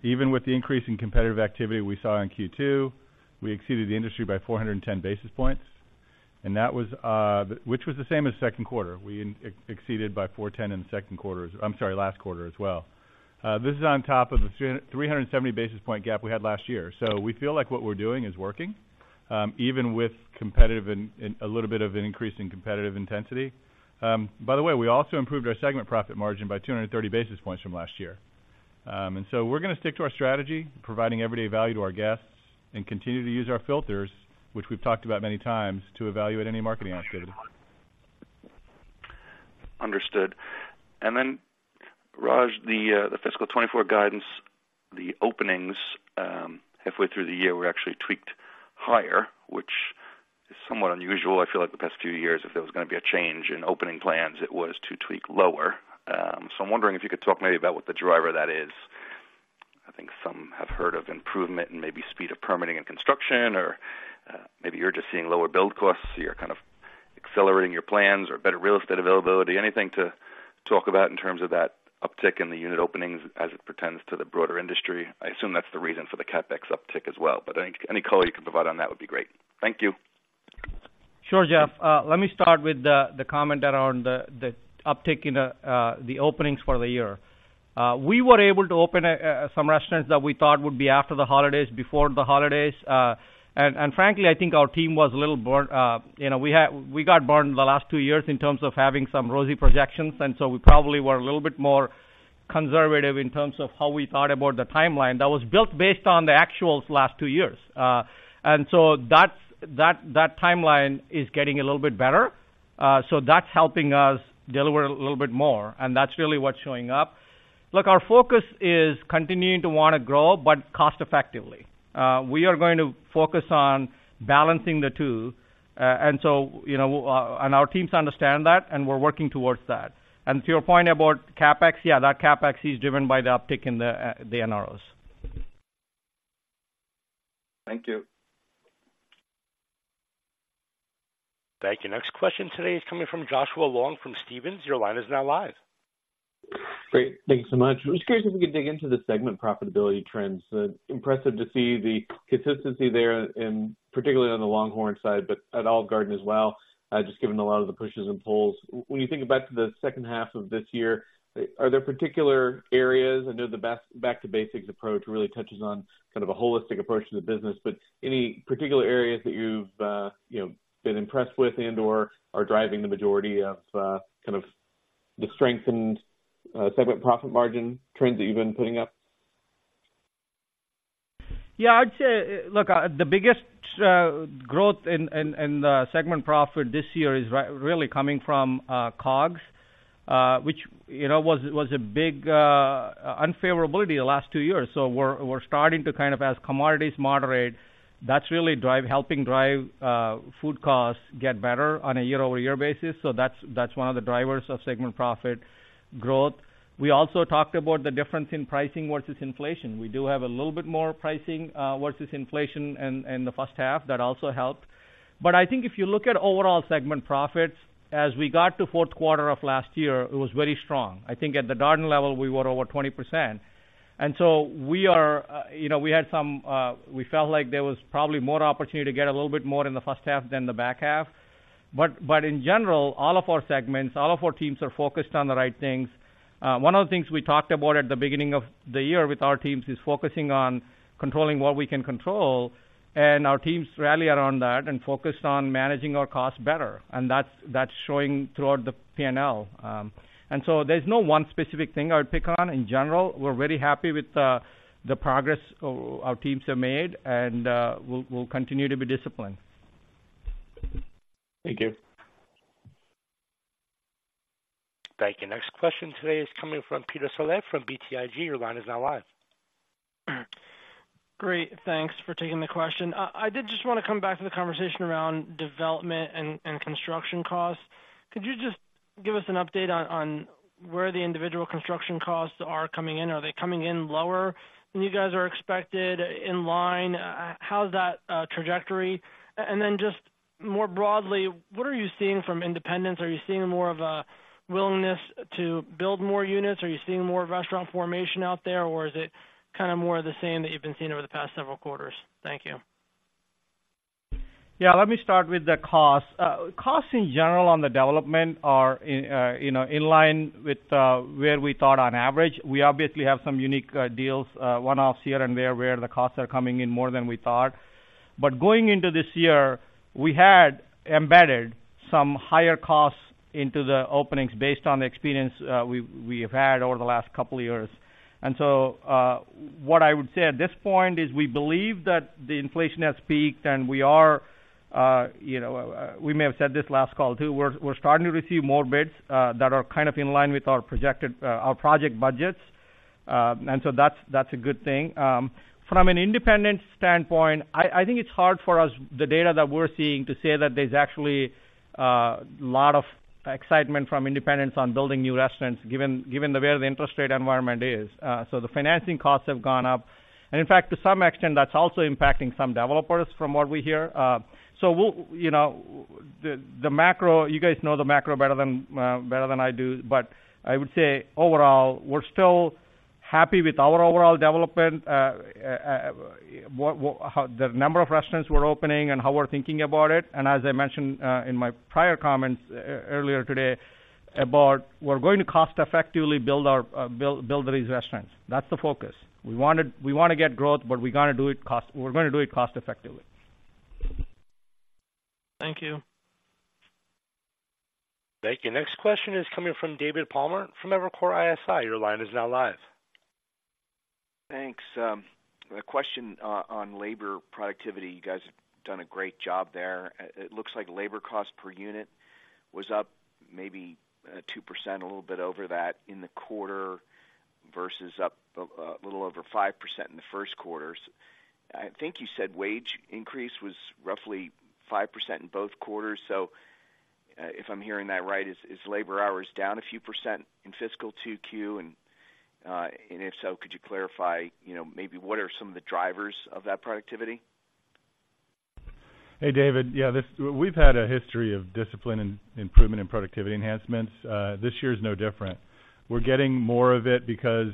Even with the increase in competitive activity we saw in Q2, we exceeded the industry by 410 basis points, and that was, which was the same as Q2. We exceeded by 410 in the Q2, I'm sorry, last quarter as well. This is on top of the 370 basis point gap we had last year. So we feel like what we're doing is working, even with competitive and a little bit of an increase in competitive intensity. By the way, we also improved our segment profit margin by 230 basis points from last year. And so we're going to stick to our strategy, providing everyday value to our guests and continue to use our filters, which we've talked about many times, to evaluate any marketing initiative. Understood. And then, Raj, the fiscal 2024 guidance, the openings halfway through the year were actually tweaked higher, which is somewhat unusual. I feel like the past few years, if there was going to be a change in opening plans, it was to tweak lower. So I'm wondering if you could talk maybe about what the driver of that is. I think some have heard of improvement and maybe speed of permitting and construction, or maybe you're just seeing lower build costs, so you're kind of accelerating your plans or better real estate availability. Anything to talk about in terms of that uptick in the unit openings as it pertains to the broader industry? I assume that's the reason for the CapEx uptick as well, but any color you can provide on that would be great. Thank you. Sure, Jeff. Let me start with the comment around the uptick in the openings for the year. We were able to open some restaurants that we thought would be after the holidays, before the holidays. And frankly, I think our team was a little burned, you know, we had—we got burned the last two years in terms of having some rosy projections, and so we probably were a little bit more conservative in terms of how we thought about the timeline. That was built based on the actual last two years. And so that timeline is getting a little bit better, so that's helping us deliver a little bit more, and that's really what's showing up. Look, our focus is continuing to want to grow, but cost effectively. We are going to focus on balancing the two, and so, you know, and our teams understand that, and we're working towards that. And to your point about CapEx, yeah, that CapEx is driven by the uptick in the NROs. Thank you. Thank you. Next question today is coming from Joshua Long from Stephens. Your line is now live. Great. Thank you so much. I was curious if we could dig into the segment profitability trends. Impressive to see the consistency there, and particularly on the LongHorn side, but at Olive Garden as well, just given a lot of the pushes and pulls. When you think about the second half of this year, are there particular areas, I know the back-to-basics approach really touches on kind of a holistic approach to the business, but any particular areas that you've, you know, been impressed with and, or are driving the majority of, kind of the strength and, segment profit margin trends that you've been putting up? Yeah, I'd say, look, the biggest growth in the segment profit this year is really coming from COGS, which, you know, was a big unfavorability the last two years. So we're starting to kind of as commodities moderate, that's really helping drive food costs get better on a year-over-year basis. So that's one of the drivers of segment profit growth. We also talked about the difference in pricing versus inflation. We do have a little bit more pricing versus inflation in the first half. That also helped. But I think if you look at overall segment profits, as we got to Q4 of last year, it was very strong. I think at the Garden level, we were over 20%. And so we are, you know, we had some... We felt like there was probably more opportunity to get a little bit more in the first half than the back half. But in general, all of our segments, all of our teams are focused on the right things. One of the things we talked about at the beginning of the year with our teams is focusing on controlling what we can control, and our teams rally around that and focused on managing our costs better, and that's showing throughout the P&L. And so there's no one specific thing I would pick on. In general, we're very happy with the progress our teams have made, and we'll continue to be disciplined. Thank you. Thank you. Next question today is coming from Peter Saleh, from BTIG. Your line is now live. Great, thanks for taking the question. I did just want to come back to the conversation around development and construction costs. Could you just give us an update on where the individual construction costs are coming in? Are they coming in lower than you guys are expected in line? How's that trajectory? And then just more broadly, what are you seeing from independents? Are you seeing more of a willingness to build more units? Are you seeing more restaurant formation out there, or is it kind of more of the same that you've been seeing over the past several quarters? Thank you. Yeah, let me start with the costs. Costs in general on the development are, you know, in line with where we thought on average. We obviously have some unique deals, one-offs here and there, where the costs are coming in more than we thought. But going into this year, we had embedded some higher costs into the openings based on the experience we've had over the last couple of years. And so, what I would say at this point is, we believe that the inflation has peaked and we are, you know, we may have said this last call, too. We're starting to receive more bids that are kind of in line with our projected project budgets. And so that's a good thing. From an independent standpoint, I think it's hard for us, the data that we're seeing, to say that there's actually a lot of excitement from independents on building new restaurants, given the way the interest rate environment is. So the financing costs have gone up, and in fact, to some extent, that's also impacting some developers from what we hear. So we'll, you know, the macro, you guys know the macro better than I do, but I would say overall, we're still happy with our overall development, the number of restaurants we're opening and how we're thinking about it. And as I mentioned in my prior comments earlier today, about we're going to cost effectively build our build these restaurants. That's the focus. We want to get growth, but we're going to do it cost effectively. Thank you. Thank you. Next question is coming from David Palmer, from Evercore ISI. Your line is now live. Thanks. A question on labor productivity. You guys have done a great job there. It looks like labor cost per unit was up maybe 2%, a little bit over that in the quarter, versus up a little over 5% in the Q1. I think you said wage increase was roughly 5% in both quarters. So, if I'm hearing that right, is labor hours down a few percent in fiscal 2Q? And if so, could you clarify, you know, maybe what are some of the drivers of that productivity? Hey, David. Yeah, we've had a history of discipline and improvement in productivity enhancements. This year is no different. We're getting more of it because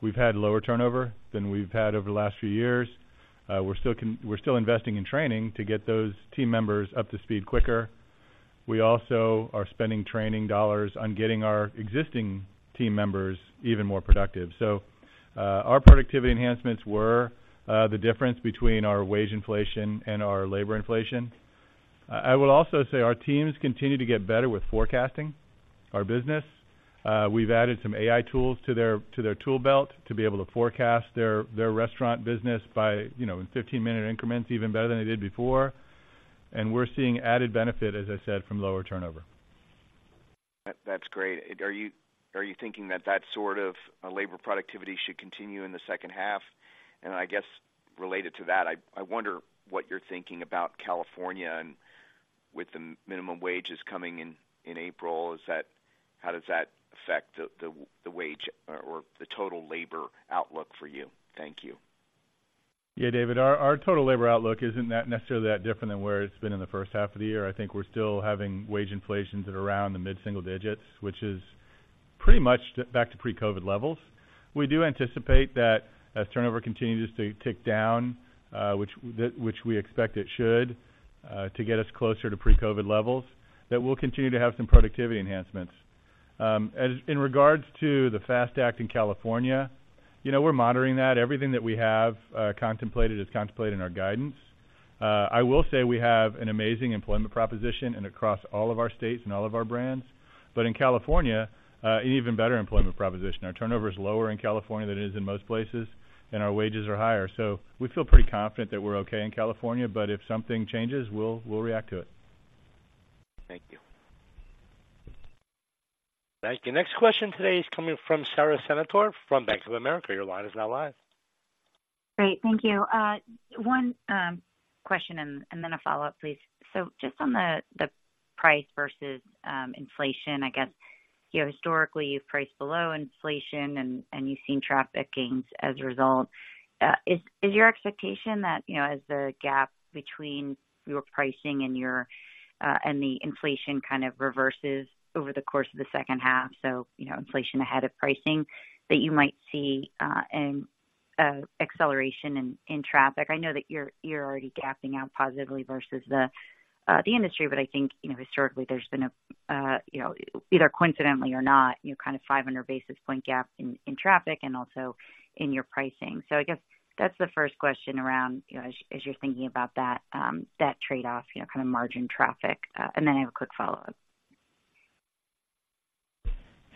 we've had lower turnover than we've had over the last few years. We're still investing in training to get those team members up to speed quicker. We also are spending training dollars on getting our existing team members even more productive. So, our productivity enhancements were the difference between our wage inflation and our labor inflation. I would also say our teams continue to get better with forecasting our business. We've added some AI tools to their tool belt to be able to forecast their restaurant business by, you know, in 15-minute increments, even better than they did before. And we're seeing added benefit, as I said, from lower turnover. That's great. Are you thinking that sort of labor productivity should continue in the second half? And I guess related to that, I wonder what you're thinking about California and with the minimum wages coming in in April, is that how does that affect the wage or the total labor outlook for you? Thank you.... Yeah, David, our total labor outlook isn't necessarily that different than where it's been in the first half of the year. I think we're still having wage inflation at around the mid-single digits, which is pretty much back to pre-COVID levels. We do anticipate that as turnover continues to tick down, which we expect it should, to get us closer to pre-COVID levels, that we'll continue to have some productivity enhancements. As in regards to the FAST Act in California, you know, we're monitoring that. Everything that we have contemplated is contemplated in our guidance. I will say we have an amazing employment proposition and across all of our states and all of our brands. But in California, an even better employment proposition. Our turnover is lower in California than it is in most places, and our wages are higher. We feel pretty confident that we're okay in California, but if something changes, we'll react to it. Thank you. Thank you. Next question today is coming from Sara Senatore, from Bank of America. Your line is now live. Great, thank you. One question and then a follow-up, please. So just on the price versus inflation, I guess, you know, historically, you've priced below inflation and you've seen traffic gains as a result. Is your expectation that, you know, as the gap between your pricing and the inflation kind of reverses over the course of the second half, so, you know, inflation ahead of pricing, that you might see an acceleration in traffic? I know that you're already gapping out positively versus the industry, but I think, you know, historically, there's been a, you know, either coincidentally or not, you know, kind of 500 basis point gap in traffic and also in your pricing. I guess that's the first question around, you know, as you're thinking about that, that trade-off, you know, kind of margin traffic. And then I have a quick follow-up.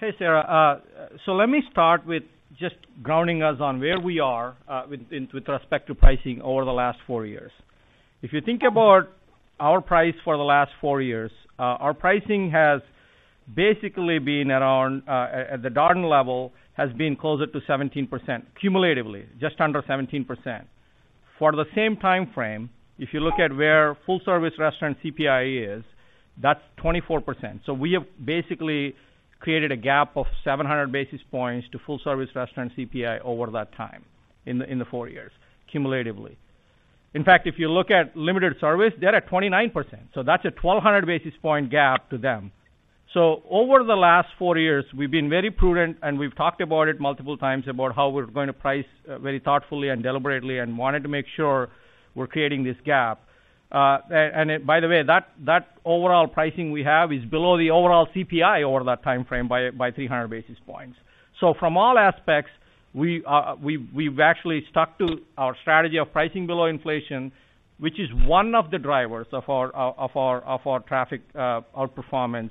Hey, Sara. So let me start with just grounding us on where we are with respect to pricing over the last four years. If you think about our price for the last four years, our pricing has basically been around at the Darden level, has been closer to 17%, cumulatively, just under 17%. For the same time frame, if you look at where full-service restaurant CPI is, that's 24%. So we have basically created a gap of 700 basis points to full-service restaurant CPI over that time in the four years, cumulatively. In fact, if you look at limited service, they're at 29%, so that's a 1,200 basis point gap to them. So over the last four years, we've been very prudent, and we've talked about it multiple times, about how we're going to price very thoughtfully and deliberately and wanted to make sure we're creating this gap. And by the way, that overall pricing we have is below the overall CPI over that time frame by 300 basis points. So from all aspects, we are. We've actually stuck to our strategy of pricing below inflation, which is one of the drivers of our traffic outperformance.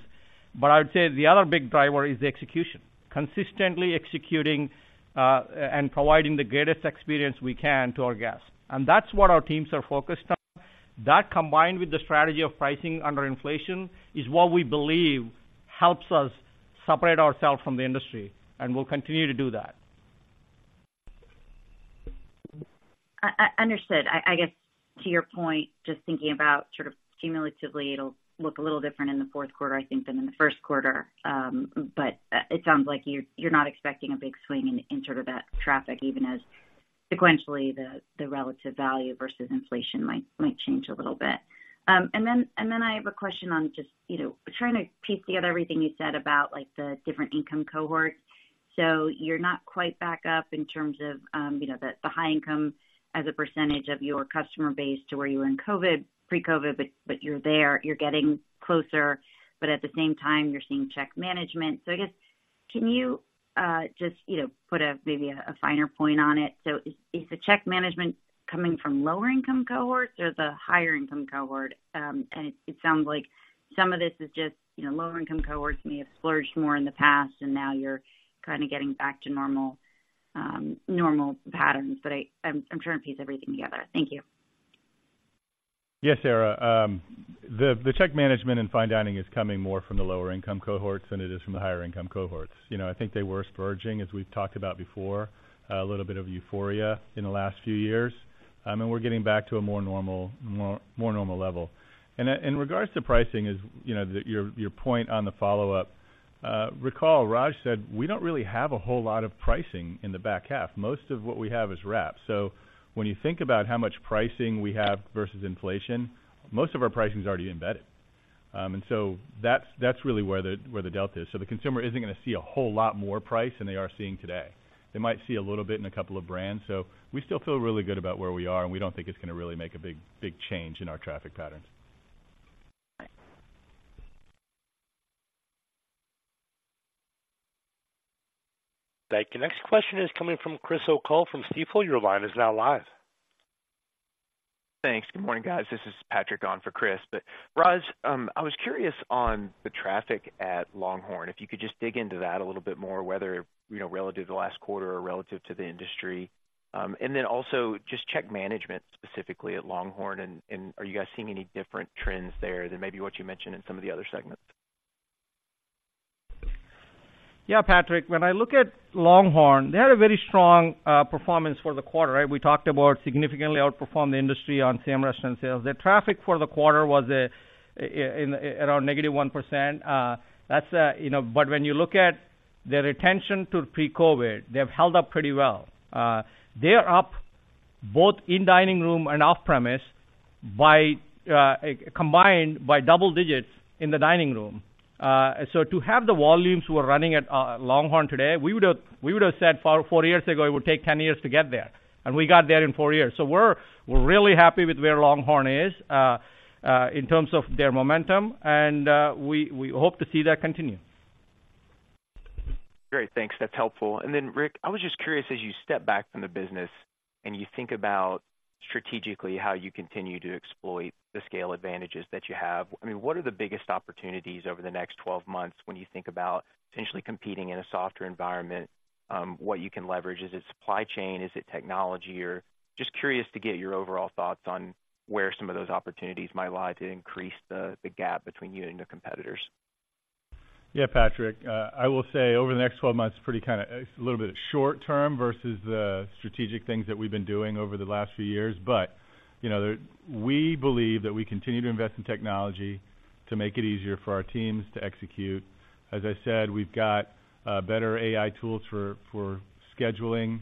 But I would say the other big driver is the execution. Consistently executing and providing the greatest experience we can to our guests, and that's what our teams are focused on. That, combined with the strategy of pricing under inflation, is what we believe helps us separate ourselves from the industry, and we'll continue to do that. Understood. I guess, to your point, just thinking about sort of cumulatively, it'll look a little different in the Q4, I think, than in the Q1. But it sounds like you're not expecting a big swing in sort of that traffic, even as sequentially, the relative value versus inflation might change a little bit. And then I have a question on just, you know, trying to piece together everything you said about, like, the different income cohorts. So you're not quite back up in terms of, you know, the high income as a percentage of your customer base to where you were in COVID, pre-COVID, but you're there, you're getting closer, but at the same time, you're seeing check management. So I guess, can you just, you know, put a finer point on it? So is the check management coming from lower income cohorts or the higher income cohort? And it sounds like some of this is just, you know, lower income cohorts may have splurged more in the past, and now you're kind of getting back to normal, normal patterns. But I'm trying to piece everything together. Thank you. Yes, Sara. The check management and fine dining is coming more from the lower income cohorts than it is from the higher income cohorts. You know, I think they were splurging, as we've talked about before, a little bit of euphoria in the last few years. And we're getting back to a more normal, more normal level. And in regards to pricing, as you know, your point on the follow-up, recall, Raj said we don't really have a whole lot of pricing in the back half. Most of what we have is wrapped. So when you think about how much pricing we have versus inflation, most of our pricing is already embedded. And so that's really where the delta is. So the consumer isn't going to see a whole lot more price than they are seeing today. They might see a little bit in a couple of brands. So we still feel really good about where we are, and we don't think it's going to really make a big, big change in our traffic patterns. Thanks. Thank you. Next question is coming from Chris O'Cull from Stifel. Your line is now live. Thanks. Good morning, guys. This is Patrick on for Chris. Raj, I was curious on the traffic at LongHorn, if you could just dig into that a little bit more, whether, you know, relative to last quarter or relative to the industry. And then also just check management specifically at LongHorn, and are you guys seeing any different trends there than maybe what you mentioned in some of the other segments? Yeah, Patrick, when I look at LongHorn, they had a very strong performance for the quarter, right? We talked about significantly outperformed the industry on same-restaurant sales. The traffic for the quarter was in around negative 1%. That's you know... But when you look at their retention to pre-COVID, they have held up pretty well. They are up both in dining room and off-premise by combined by double digits in the dining room. So to have the volumes we're running at LongHorn today, we would have said four, four years ago, it would take 10 years to get there, and we got there in four years. So we're really happy with where LongHorn is in terms of their momentum, and we hope to see that continue. Great, thanks. That's helpful. And then, Rick, I was just curious, as you step back from the business and you think about strategically how you continue to exploit the scale advantages that you have, I mean, what are the biggest opportunities over the next 12 months when you think about potentially competing in a softer environment, what you can leverage? Is it supply chain? Is it technology? Or just curious to get your overall thoughts on where some of those opportunities might lie to increase the gap between you and your competitors. Yeah, Patrick, I will say over the next 12 months, pretty kind of- it's a little bit short term versus the strategic things that we've been doing over the last few years. But, you know, we believe that we continue to invest in technology to make it easier for our teams to execute. As I said, we've got better AI tools for scheduling,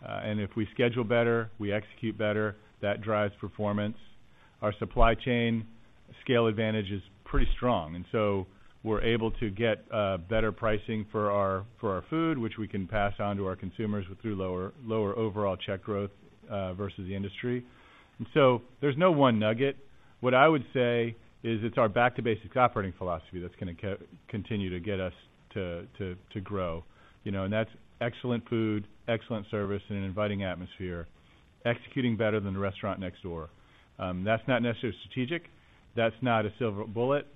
and if we schedule better, we execute better. That drives performance. Our supply chain scale advantage is pretty strong, and so we're able to get better pricing for our food, which we can pass on to our consumers through lower overall check growth versus the industry. And so there's no one nugget. What I would say is it's our back-to-basics operating philosophy that's gonna continue to get us to grow. You know, and that's excellent food, excellent service, and an inviting atmosphere, executing better than the restaurant next door. That's not necessarily strategic. That's not a silver bullet.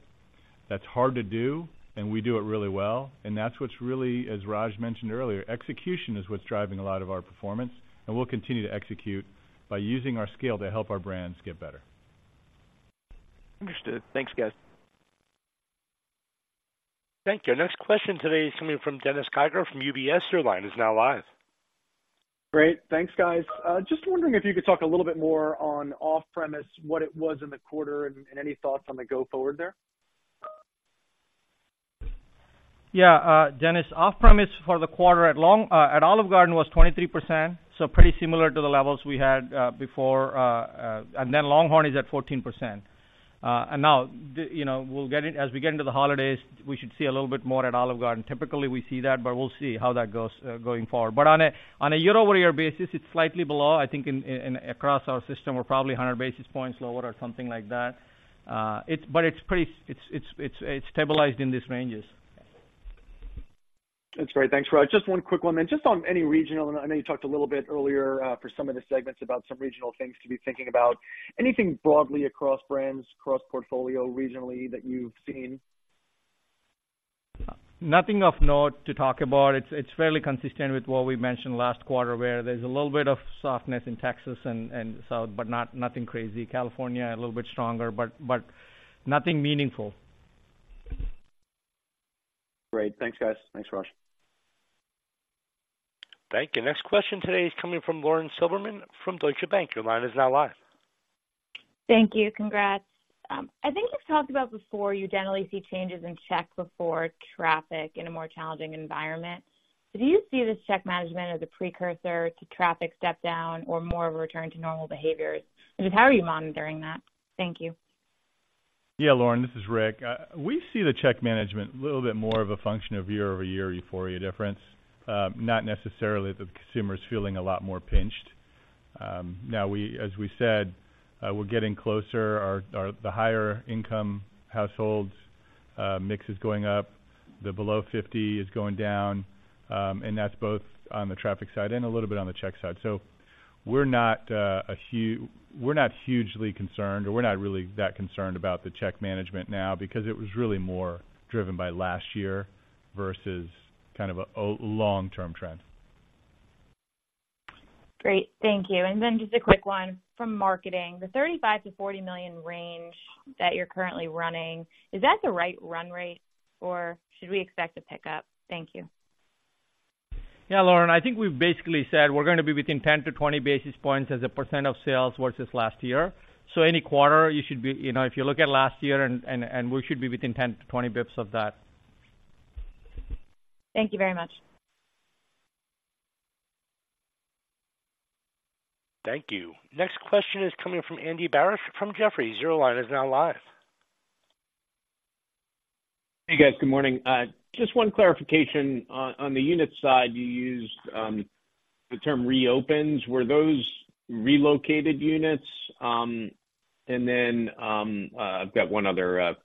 That's hard to do, and we do it really well, and that's what's really, as Raj mentioned earlier, execution is what's driving a lot of our performance, and we'll continue to execute by using our scale to help our brands get better. Understood. Thanks, guys. Thank you. Our next question today is coming from Dennis Geiger from UBS. Your line is now live. Great. Thanks, guys. Just wondering if you could talk a little bit more on off-premise, what it was in the quarter, and any thoughts on the go forward there? Yeah, Dennis, off-premise for the quarter at Olive Garden was 23%, so pretty similar to the levels we had before. And then LongHorn is at 14%. And now, you know, as we get into the holidays, we should see a little bit more at Olive Garden. Typically, we see that, but we'll see how that goes going forward. But on a year-over-year basis, it's slightly below. I think across our system, we're probably 100 basis points lower or something like that. But it's pretty. It's stabilized in these ranges. That's great. Thanks, Raj. Just one quick one then. Just on any regional, and I know you talked a little bit earlier, for some of the segments about some regional things to be thinking about. Anything broadly across brands, across portfolio, regionally, that you've seen? Nothing of note to talk about. It's fairly consistent with what we mentioned last quarter, where there's a little bit of softness in Texas and South, but nothing crazy. California, a little bit stronger, but nothing meaningful. Great. Thanks, guys. Thanks, Raj. Thank you. Next question today is coming from Lauren Silberman from Deutsche Bank. Your line is now live. Thank you. Congrats. I think you've talked about before, you generally see changes in check before traffic in a more challenging environment. Do you see this check management as a precursor to traffic step down or more of a return to normal behaviors? And just how are you monitoring that? Thank you. Yeah, Lauren, this is Rick. We see the check management a little bit more of a function of year-over-year euphoria difference, not necessarily the consumer is feeling a lot more pinched. Now, we, as we said, we're getting closer. Our, our, the higher income households mix is going up, the below fifty is going down, and that's both on the traffic side and a little bit on the check side. So we're not hugely concerned, or we're not really that concerned about the check management now because it was really more driven by last year versus kind of a long-term trend. Great. Thank you. Then just a quick one from marketing. The $35 million-$40 million range that you're currently running, is that the right run rate, or should we expect a pickup? Thank you. Yeah, Lauren, I think we've basically said we're going to be within 10-20 basis points as a % of sales versus last year. So any quarter, you should be, you know, if you look at last year and we should be within 10-20 basis points of that. Thank you very much. Thank you. Next question is coming from Andrew Barish from Jefferies. Your line is now live. Hey, guys, good morning. Just one clarification. On the unit side, you used the term reopens. Were those relocated units? And then I've got one other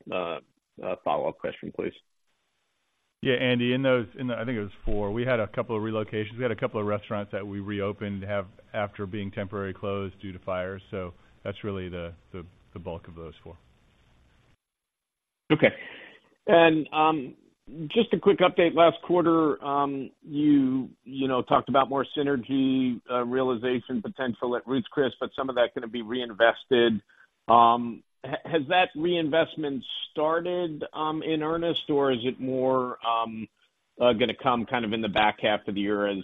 follow-up question, please. Yeah, Andy, in those... I think it was 4. We had a couple of relocations. We had a couple of restaurants that we reopened, have, after being temporarily closed due to fires. So that's really the bulk of those four. Okay. And, just a quick update. Last quarter, you, you know, talked about more synergy, realization potential at Ruth's Chris, but some of that is going to be reinvested. Has that reinvestment started, in earnest, or is it more, gonna come kind of in the back half of the year as,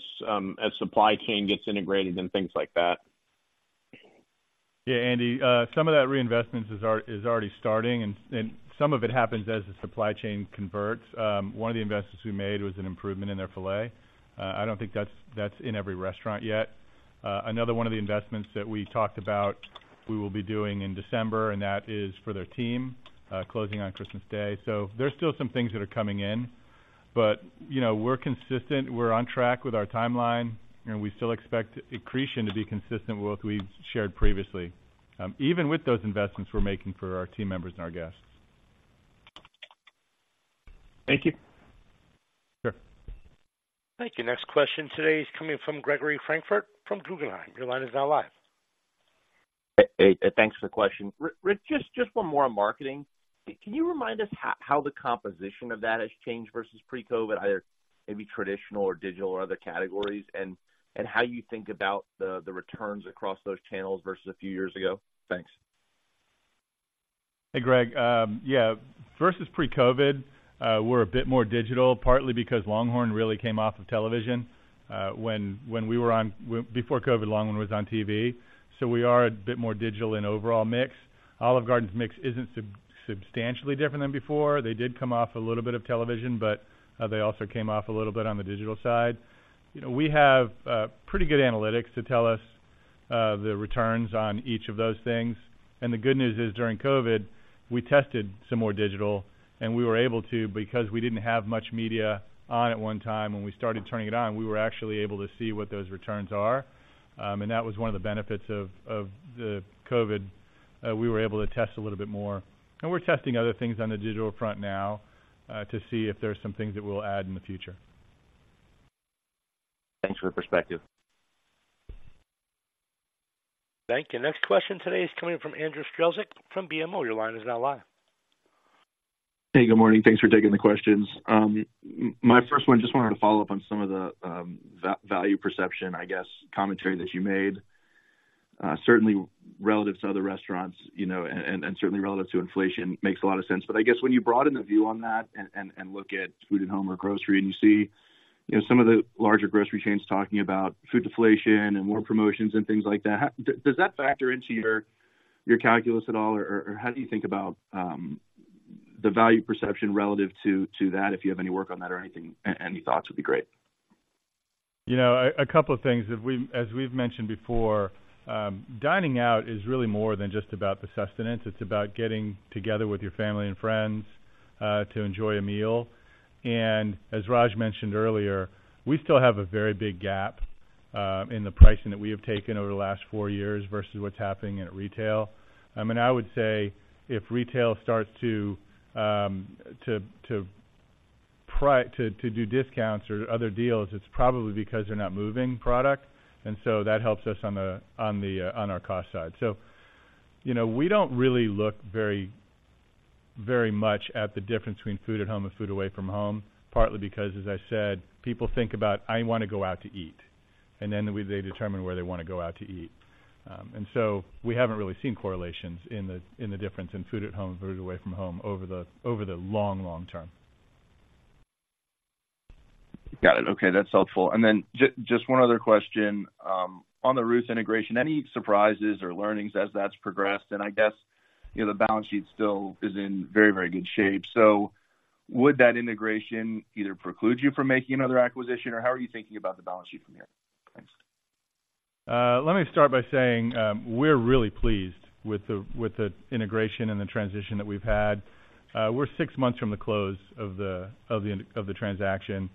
as supply chain gets integrated and things like that?... Yeah, Andy, some of that reinvestment is already starting, and some of it happens as the supply chain converts. One of the investments we made was an improvement in their filet. I don't think that's in every restaurant yet. Another one of the investments that we talked about, we will be doing in December, and that is for their team closing on Christmas Day. So there's still some things that are coming in, but, you know, we're consistent. We're on track with our timeline, and we still expect accretion to be consistent with what we've shared previously, even with those investments we're making for our team members and our guests. Thank you. Sure. Thank you. Next question today is coming from Gregory Francfort from Guggenheim. Your line is now live. Hey, thanks for the question. Rick, just one more on marketing. Can you remind us how the composition of that has changed versus pre-COVID, either maybe traditional or digital or other categories, and how you think about the returns across those channels versus a few years ago? Thanks. Hey, Greg. Yeah, versus pre-COVID, we're a bit more digital, partly because LongHorn really came off of television. When we were on before COVID, LongHorn was on TV, so we are a bit more digital in overall mix. Olive Garden's mix isn't substantially different than before. They did come off a little bit of television, but they also came off a little bit on the digital side. You know, we have pretty good analytics to tell us the returns on each of those things. And the good news is, during COVID, we tested some more digital, and we were able to, because we didn't have much media on at one time. When we started turning it on, we were actually able to see what those returns are. And that was one of the benefits of the COVID. We were able to test a little bit more, and we're testing other things on the digital front now, to see if there are some things that we'll add in the future. Thanks for the perspective. Thank you. Next question today is coming from Andrew Strelzik from BMO. Your line is now live. Hey, good morning. Thanks for taking the questions. My first one, just wanted to follow up on some of the, value perception, I guess, commentary that you made. Certainly relative to other restaurants, you know, and, and, and look at food at home or grocery, and you see, you know, some of the larger grocery chains talking about food deflation and more promotions and things like that, how does that factor into your, your calculus at all, or, or how do you think about, the value perception relative to, to that? If you have any work on that or anything, any thoughts would be great. You know, a couple of things. As we, as we've mentioned before, dining out is really more than just about the sustenance. It's about getting together with your family and friends to enjoy a meal. And as Raj mentioned earlier, we still have a very big gap in the pricing that we have taken over the last four years versus what's happening in retail. I mean, I would say if retail starts to do discounts or other deals, it's probably because they're not moving product, and so that helps us on the on our cost side. So, you know, we don't really look very, very much at the difference between food at home and food away from home, partly because, as I said, people think about, "I want to go out to eat," and then they determine where they want to go out to eat. We haven't really seen correlations in the difference in food at home and food away from home over the long, long term. Got it. Okay, that's helpful. And then just one other question. On the Ruth's integration, any surprises or learnings as that's progressed? And I guess, you know, the balance sheet still is in very, very good shape. So would that integration either preclude you from making another acquisition, or how are you thinking about the balance sheet from here? Thanks. Let me start by saying, we're really pleased with the integration and the transition that we've had. We're six months from the close of the transaction.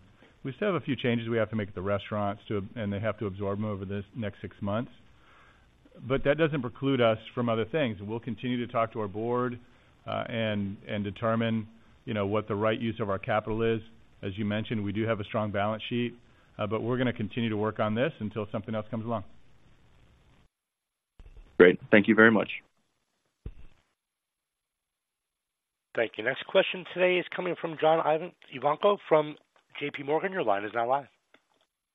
We still have a few changes we have to make at the restaurants, and they have to absorb them over this next six months. But that doesn't preclude us from other things. We'll continue to talk to our board and determine, you know, what the right use of our capital is. As you mentioned, we do have a strong balance sheet, but we're going to continue to work on this until something else comes along. Great. Thank you very much. Thank you. Next question today is coming from John Ivankoe from JPMorgan. Your line is now live.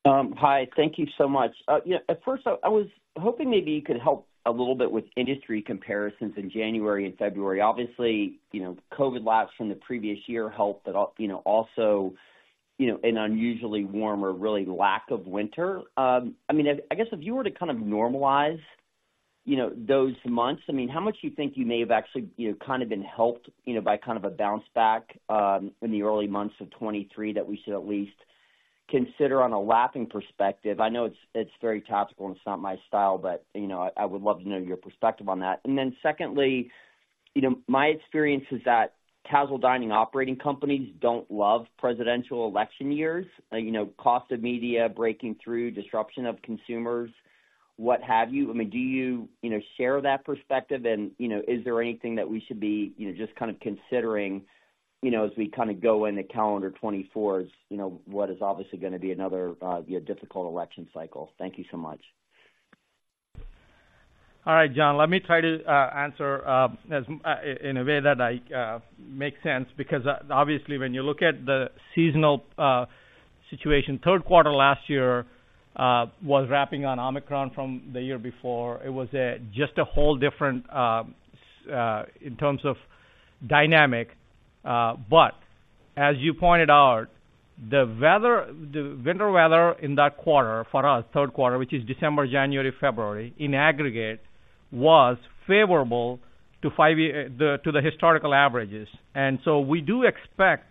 Hi, thank you so much. Yeah, at first, I was hoping maybe you could help a little bit with industry comparisons in January and February. Obviously, you know, COVID laps from the previous year helped, but, you know, also, you know, an unusually warmer, really, lack of winter. I mean, I guess if you were to kind of normalize, you know, those months, I mean, how much do you think you may have actually, you know, kind of been helped, you know, by kind of a bounce back in the early months of 2023 that we should at least consider on a lapping perspective? I know it's very tactical, and it's not my style, but, you know, I would love to know your perspective on that. And then secondly, you know, my experience is that casual dining operating companies don't love presidential election years. You know, cost of media, breaking through, disruption of consumers, what have you. I mean, do you, you know, share that perspective, and, you know, is there anything that we should be, you know, just kind of considering, you know, as we kind of go into calendar 2024's, you know, what is obviously going to be another, difficult election cycle? Thank you so much. All right, John, let me try to answer as in a way that I makes sense, because obviously, when you look at the seasonal situation, Q3 last year was lapping on Omicron from the year before. It was just a whole different in terms of dynamic, but as you pointed out, the weather, the winter weather in that quarter for us, Q3, which is December, January, February, in aggregate, was favorable to five-year the to the historical averages. And so we do expect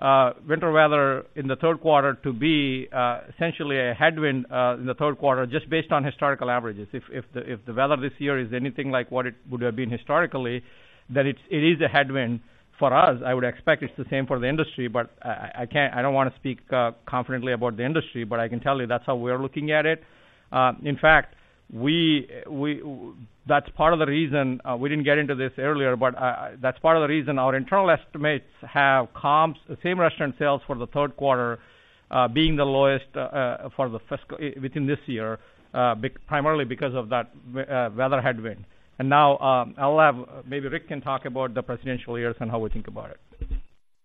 winter weather in the Q3 to be essentially a headwind in the Q3, just based on historical averages. If the weather this year is anything like what it would have been historically, then it's, it is a headwind for us. I would expect it's the same for the industry, but I can't—I don't wanna speak confidently about the industry, but I can tell you that's how we're looking at it. In fact, that's part of the reason we didn't get into this earlier, but that's part of the reason our internal estimates have comps, same-restaurant sales for the Q3 being the lowest for the fiscal within this year primarily because of that weather headwind. And now, I'll have, maybe Rick can talk about the presidential years and how we think about it.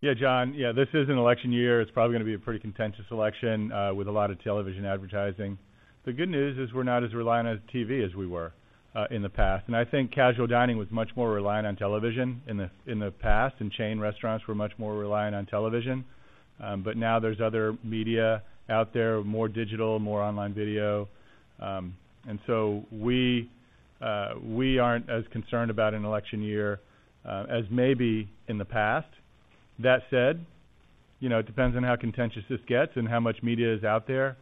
Yeah, John. Yeah, this is an election year. It's probably gonna be a pretty contentious election, with a lot of television advertising. The good news is we're not as reliant on TV as we were, in the past. And I think casual dining was much more reliant on television in the past, and chain restaurants were much more reliant on television. But now there's other media out there, more digital, more online video. And so we aren't as concerned about an election year, as maybe in the past. That said, you know, it depends on how contentious this gets and how much media is out there.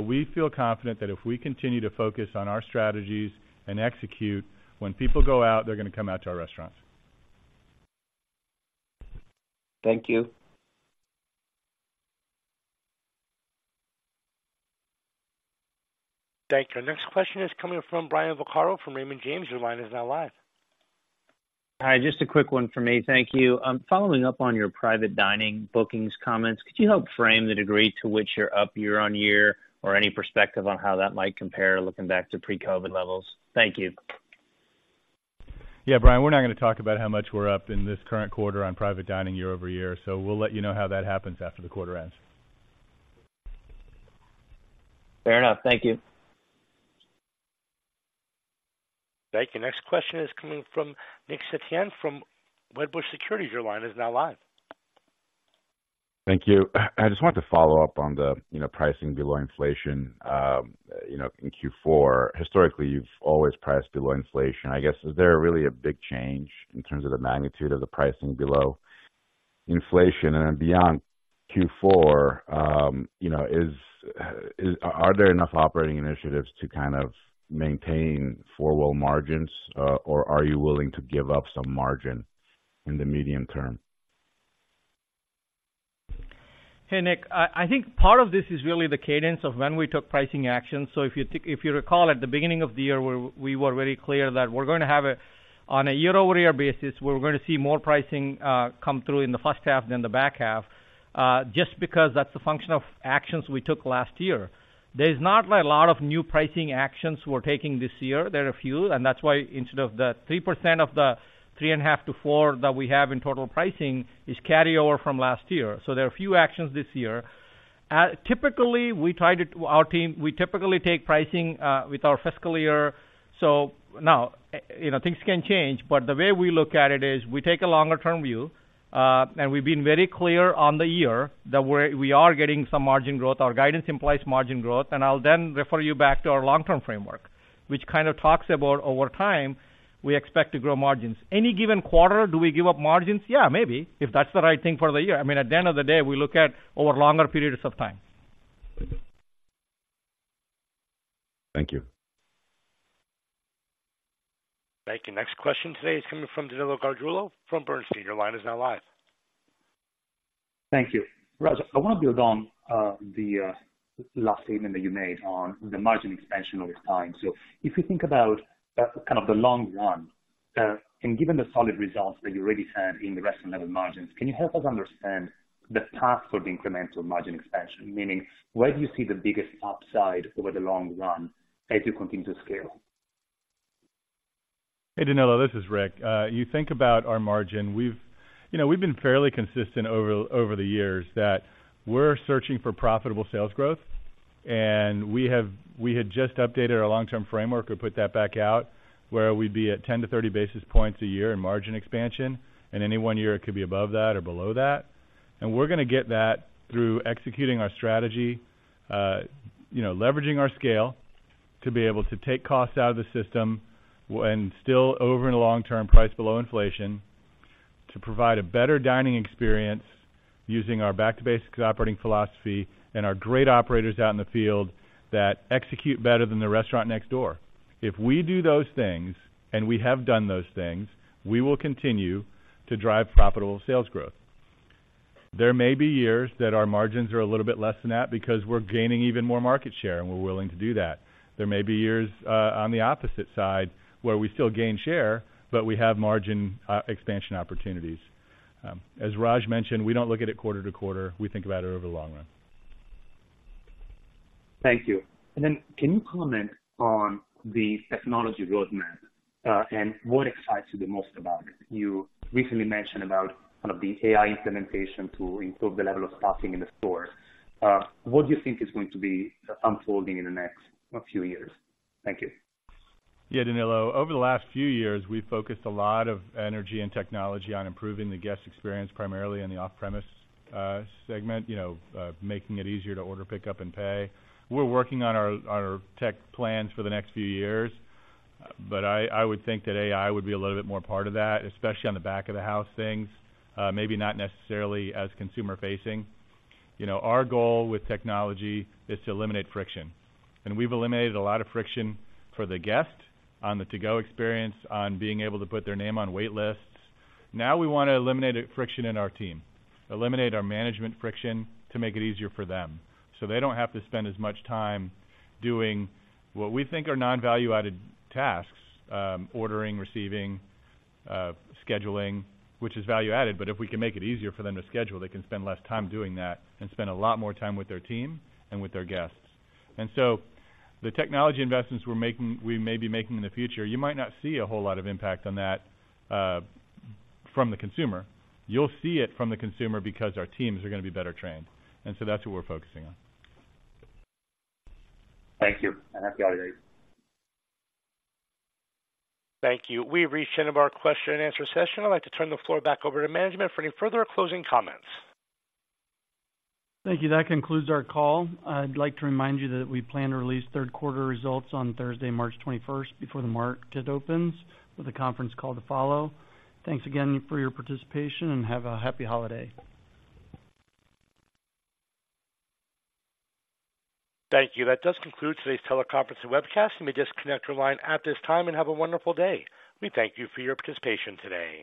We feel confident that if we continue to focus on our strategies and execute, when people go out, they're gonna come out to our restaurants. Thank you. Thank you. Our next question is coming from Brian Vaccaro from Raymond James. Your line is now live. Hi, just a quick one for me. Thank you. Following up on your private dining bookings comments, could you help frame the degree to which you're up year-on-year, or any perspective on how that might compare, looking back to pre-COVID levels? Thank you. Yeah, Brian, we're not gonna talk about how much we're up in this current quarter on private dining year-over-year, so we'll let you know how that happens after the quarter ends. Fair enough. Thank you. Thank you. Next question is coming from Nick Setyan from Wedbush Securities. Your line is now live. Thank you. I just wanted to follow up on the, you know, pricing below inflation, you know, in Q4. Historically, you've always priced below inflation. I guess, is there really a big change in terms of the magnitude of the pricing below inflation? And then beyond Q4, you know, is... Are there enough operating initiatives to kind of maintain four-wall margins, or are you willing to give up some margin in the medium term? Hey, Nick, I think part of this is really the cadence of when we took pricing actions. So if you recall, at the beginning of the year, we were very clear that we're gonna have a, on a year-over-year basis, we're gonna see more pricing come through in the first half than the back half, just because that's a function of actions we took last year. There's not a lot of new pricing actions we're taking this year. There are a few, and that's why instead of the 3% of the 3.5%-4% that we have in total pricing is carryover from last year, so there are few actions this year. Typically, we try to... Our team, we typically take pricing with our fiscal year. So now, you know, things can change, but the way we look at it is we take a longer-term view, and we've been very clear on the year that we're, we are getting some margin growth. Our guidance implies margin growth, and I'll then refer you back to our long-term framework, which kind of talks about over time, we expect to grow margins. Any given quarter, do we give up margins? Yeah, maybe, if that's the right thing for the year. I mean, at the end of the day, we look at over longer periods of time. Thank you. Thank you. Next question today is coming from Danilo Gargiulo from Bernstein. Your line is now live. Thank you. Raj, I want to build on, the, last statement that you made on the margin expansion over time. So if you think about, kind of the long run, and given the solid results that you already had in the restaurant level margins, can you help us understand the path for the incremental margin expansion? Meaning, where do you see the biggest upside over the long run as you continue to scale? Hey, Danilo, this is Rick. You think about our margin, we've, you know, we've been fairly consistent over, over the years, that we're searching for profitable sales growth, and we have, we had just updated our long-term framework. We put that back out, where we'd be at 10-30 basis points a year in margin expansion, and any one year, it could be above that or below that. And we're gonna get that through executing our strategy, you know, leveraging our scale to be able to take costs out of the system and still, over in the long term, price below inflation, to provide a better dining experience using our back-to-basics operating philosophy and our great operators out in the field that execute better than the restaurant next door. If we do those things, and we have done those things, we will continue to drive profitable sales growth. There may be years that our margins are a little bit less than that because we're gaining even more market share, and we're willing to do that. There may be years, on the opposite side, where we still gain share, but we have margin expansion opportunities. As Raj mentioned, we don't look at it quarter-to-quarter. We think about it over the long run. Thank you. And then, can you comment on the technology roadmap and what excites you the most about it? You recently mentioned about kind of the AI implementation to improve the level of staffing in the stores. What do you think is going to be unfolding in the next few years? Thank you. Yeah, Danilo. Over the last few years, we've focused a lot of energy and technology on improving the guest experience, primarily in the off-premise segment. You know, making it easier to order, pick up, and pay. We're working on our tech plans for the next few years, but I would think that AI would be a little bit more part of that, especially on the back-of-the-house things, maybe not necessarily as consumer-facing. You know, our goal with technology is to eliminate friction, and we've eliminated a lot of friction for the guest on the to-go experience, on being able to put their name on wait lists. Now, we wanna eliminate friction in our team, eliminate our management friction to make it easier for them, so they don't have to spend as much time doing what we think are non-value-added tasks, ordering, receiving, scheduling, which is value-added, but if we can make it easier for them to schedule, they can spend less time doing that and spend a lot more time with their team and with their guests. And so the technology investments we're making, we may be making in the future, you might not see a whole lot of impact on that, from the consumer. You'll see it from the consumer because our teams are gonna be better trained, and so that's what we're focusing on. Thank you, and happy holidays. Thank you. We've reached the end of our question-and-answer session. I'd like to turn the floor back over to management for any further closing comments. Thank you. That concludes our call. I'd like to remind you that we plan to release Q3 results on Thursday, March 21st, before the market opens, with a conference call to follow. Thanks again for your participation, and have a happy holiday. Thank you. That does conclude today's teleconference and webcast. You may disconnect your line at this time, and have a wonderful day. We thank you for your participation today.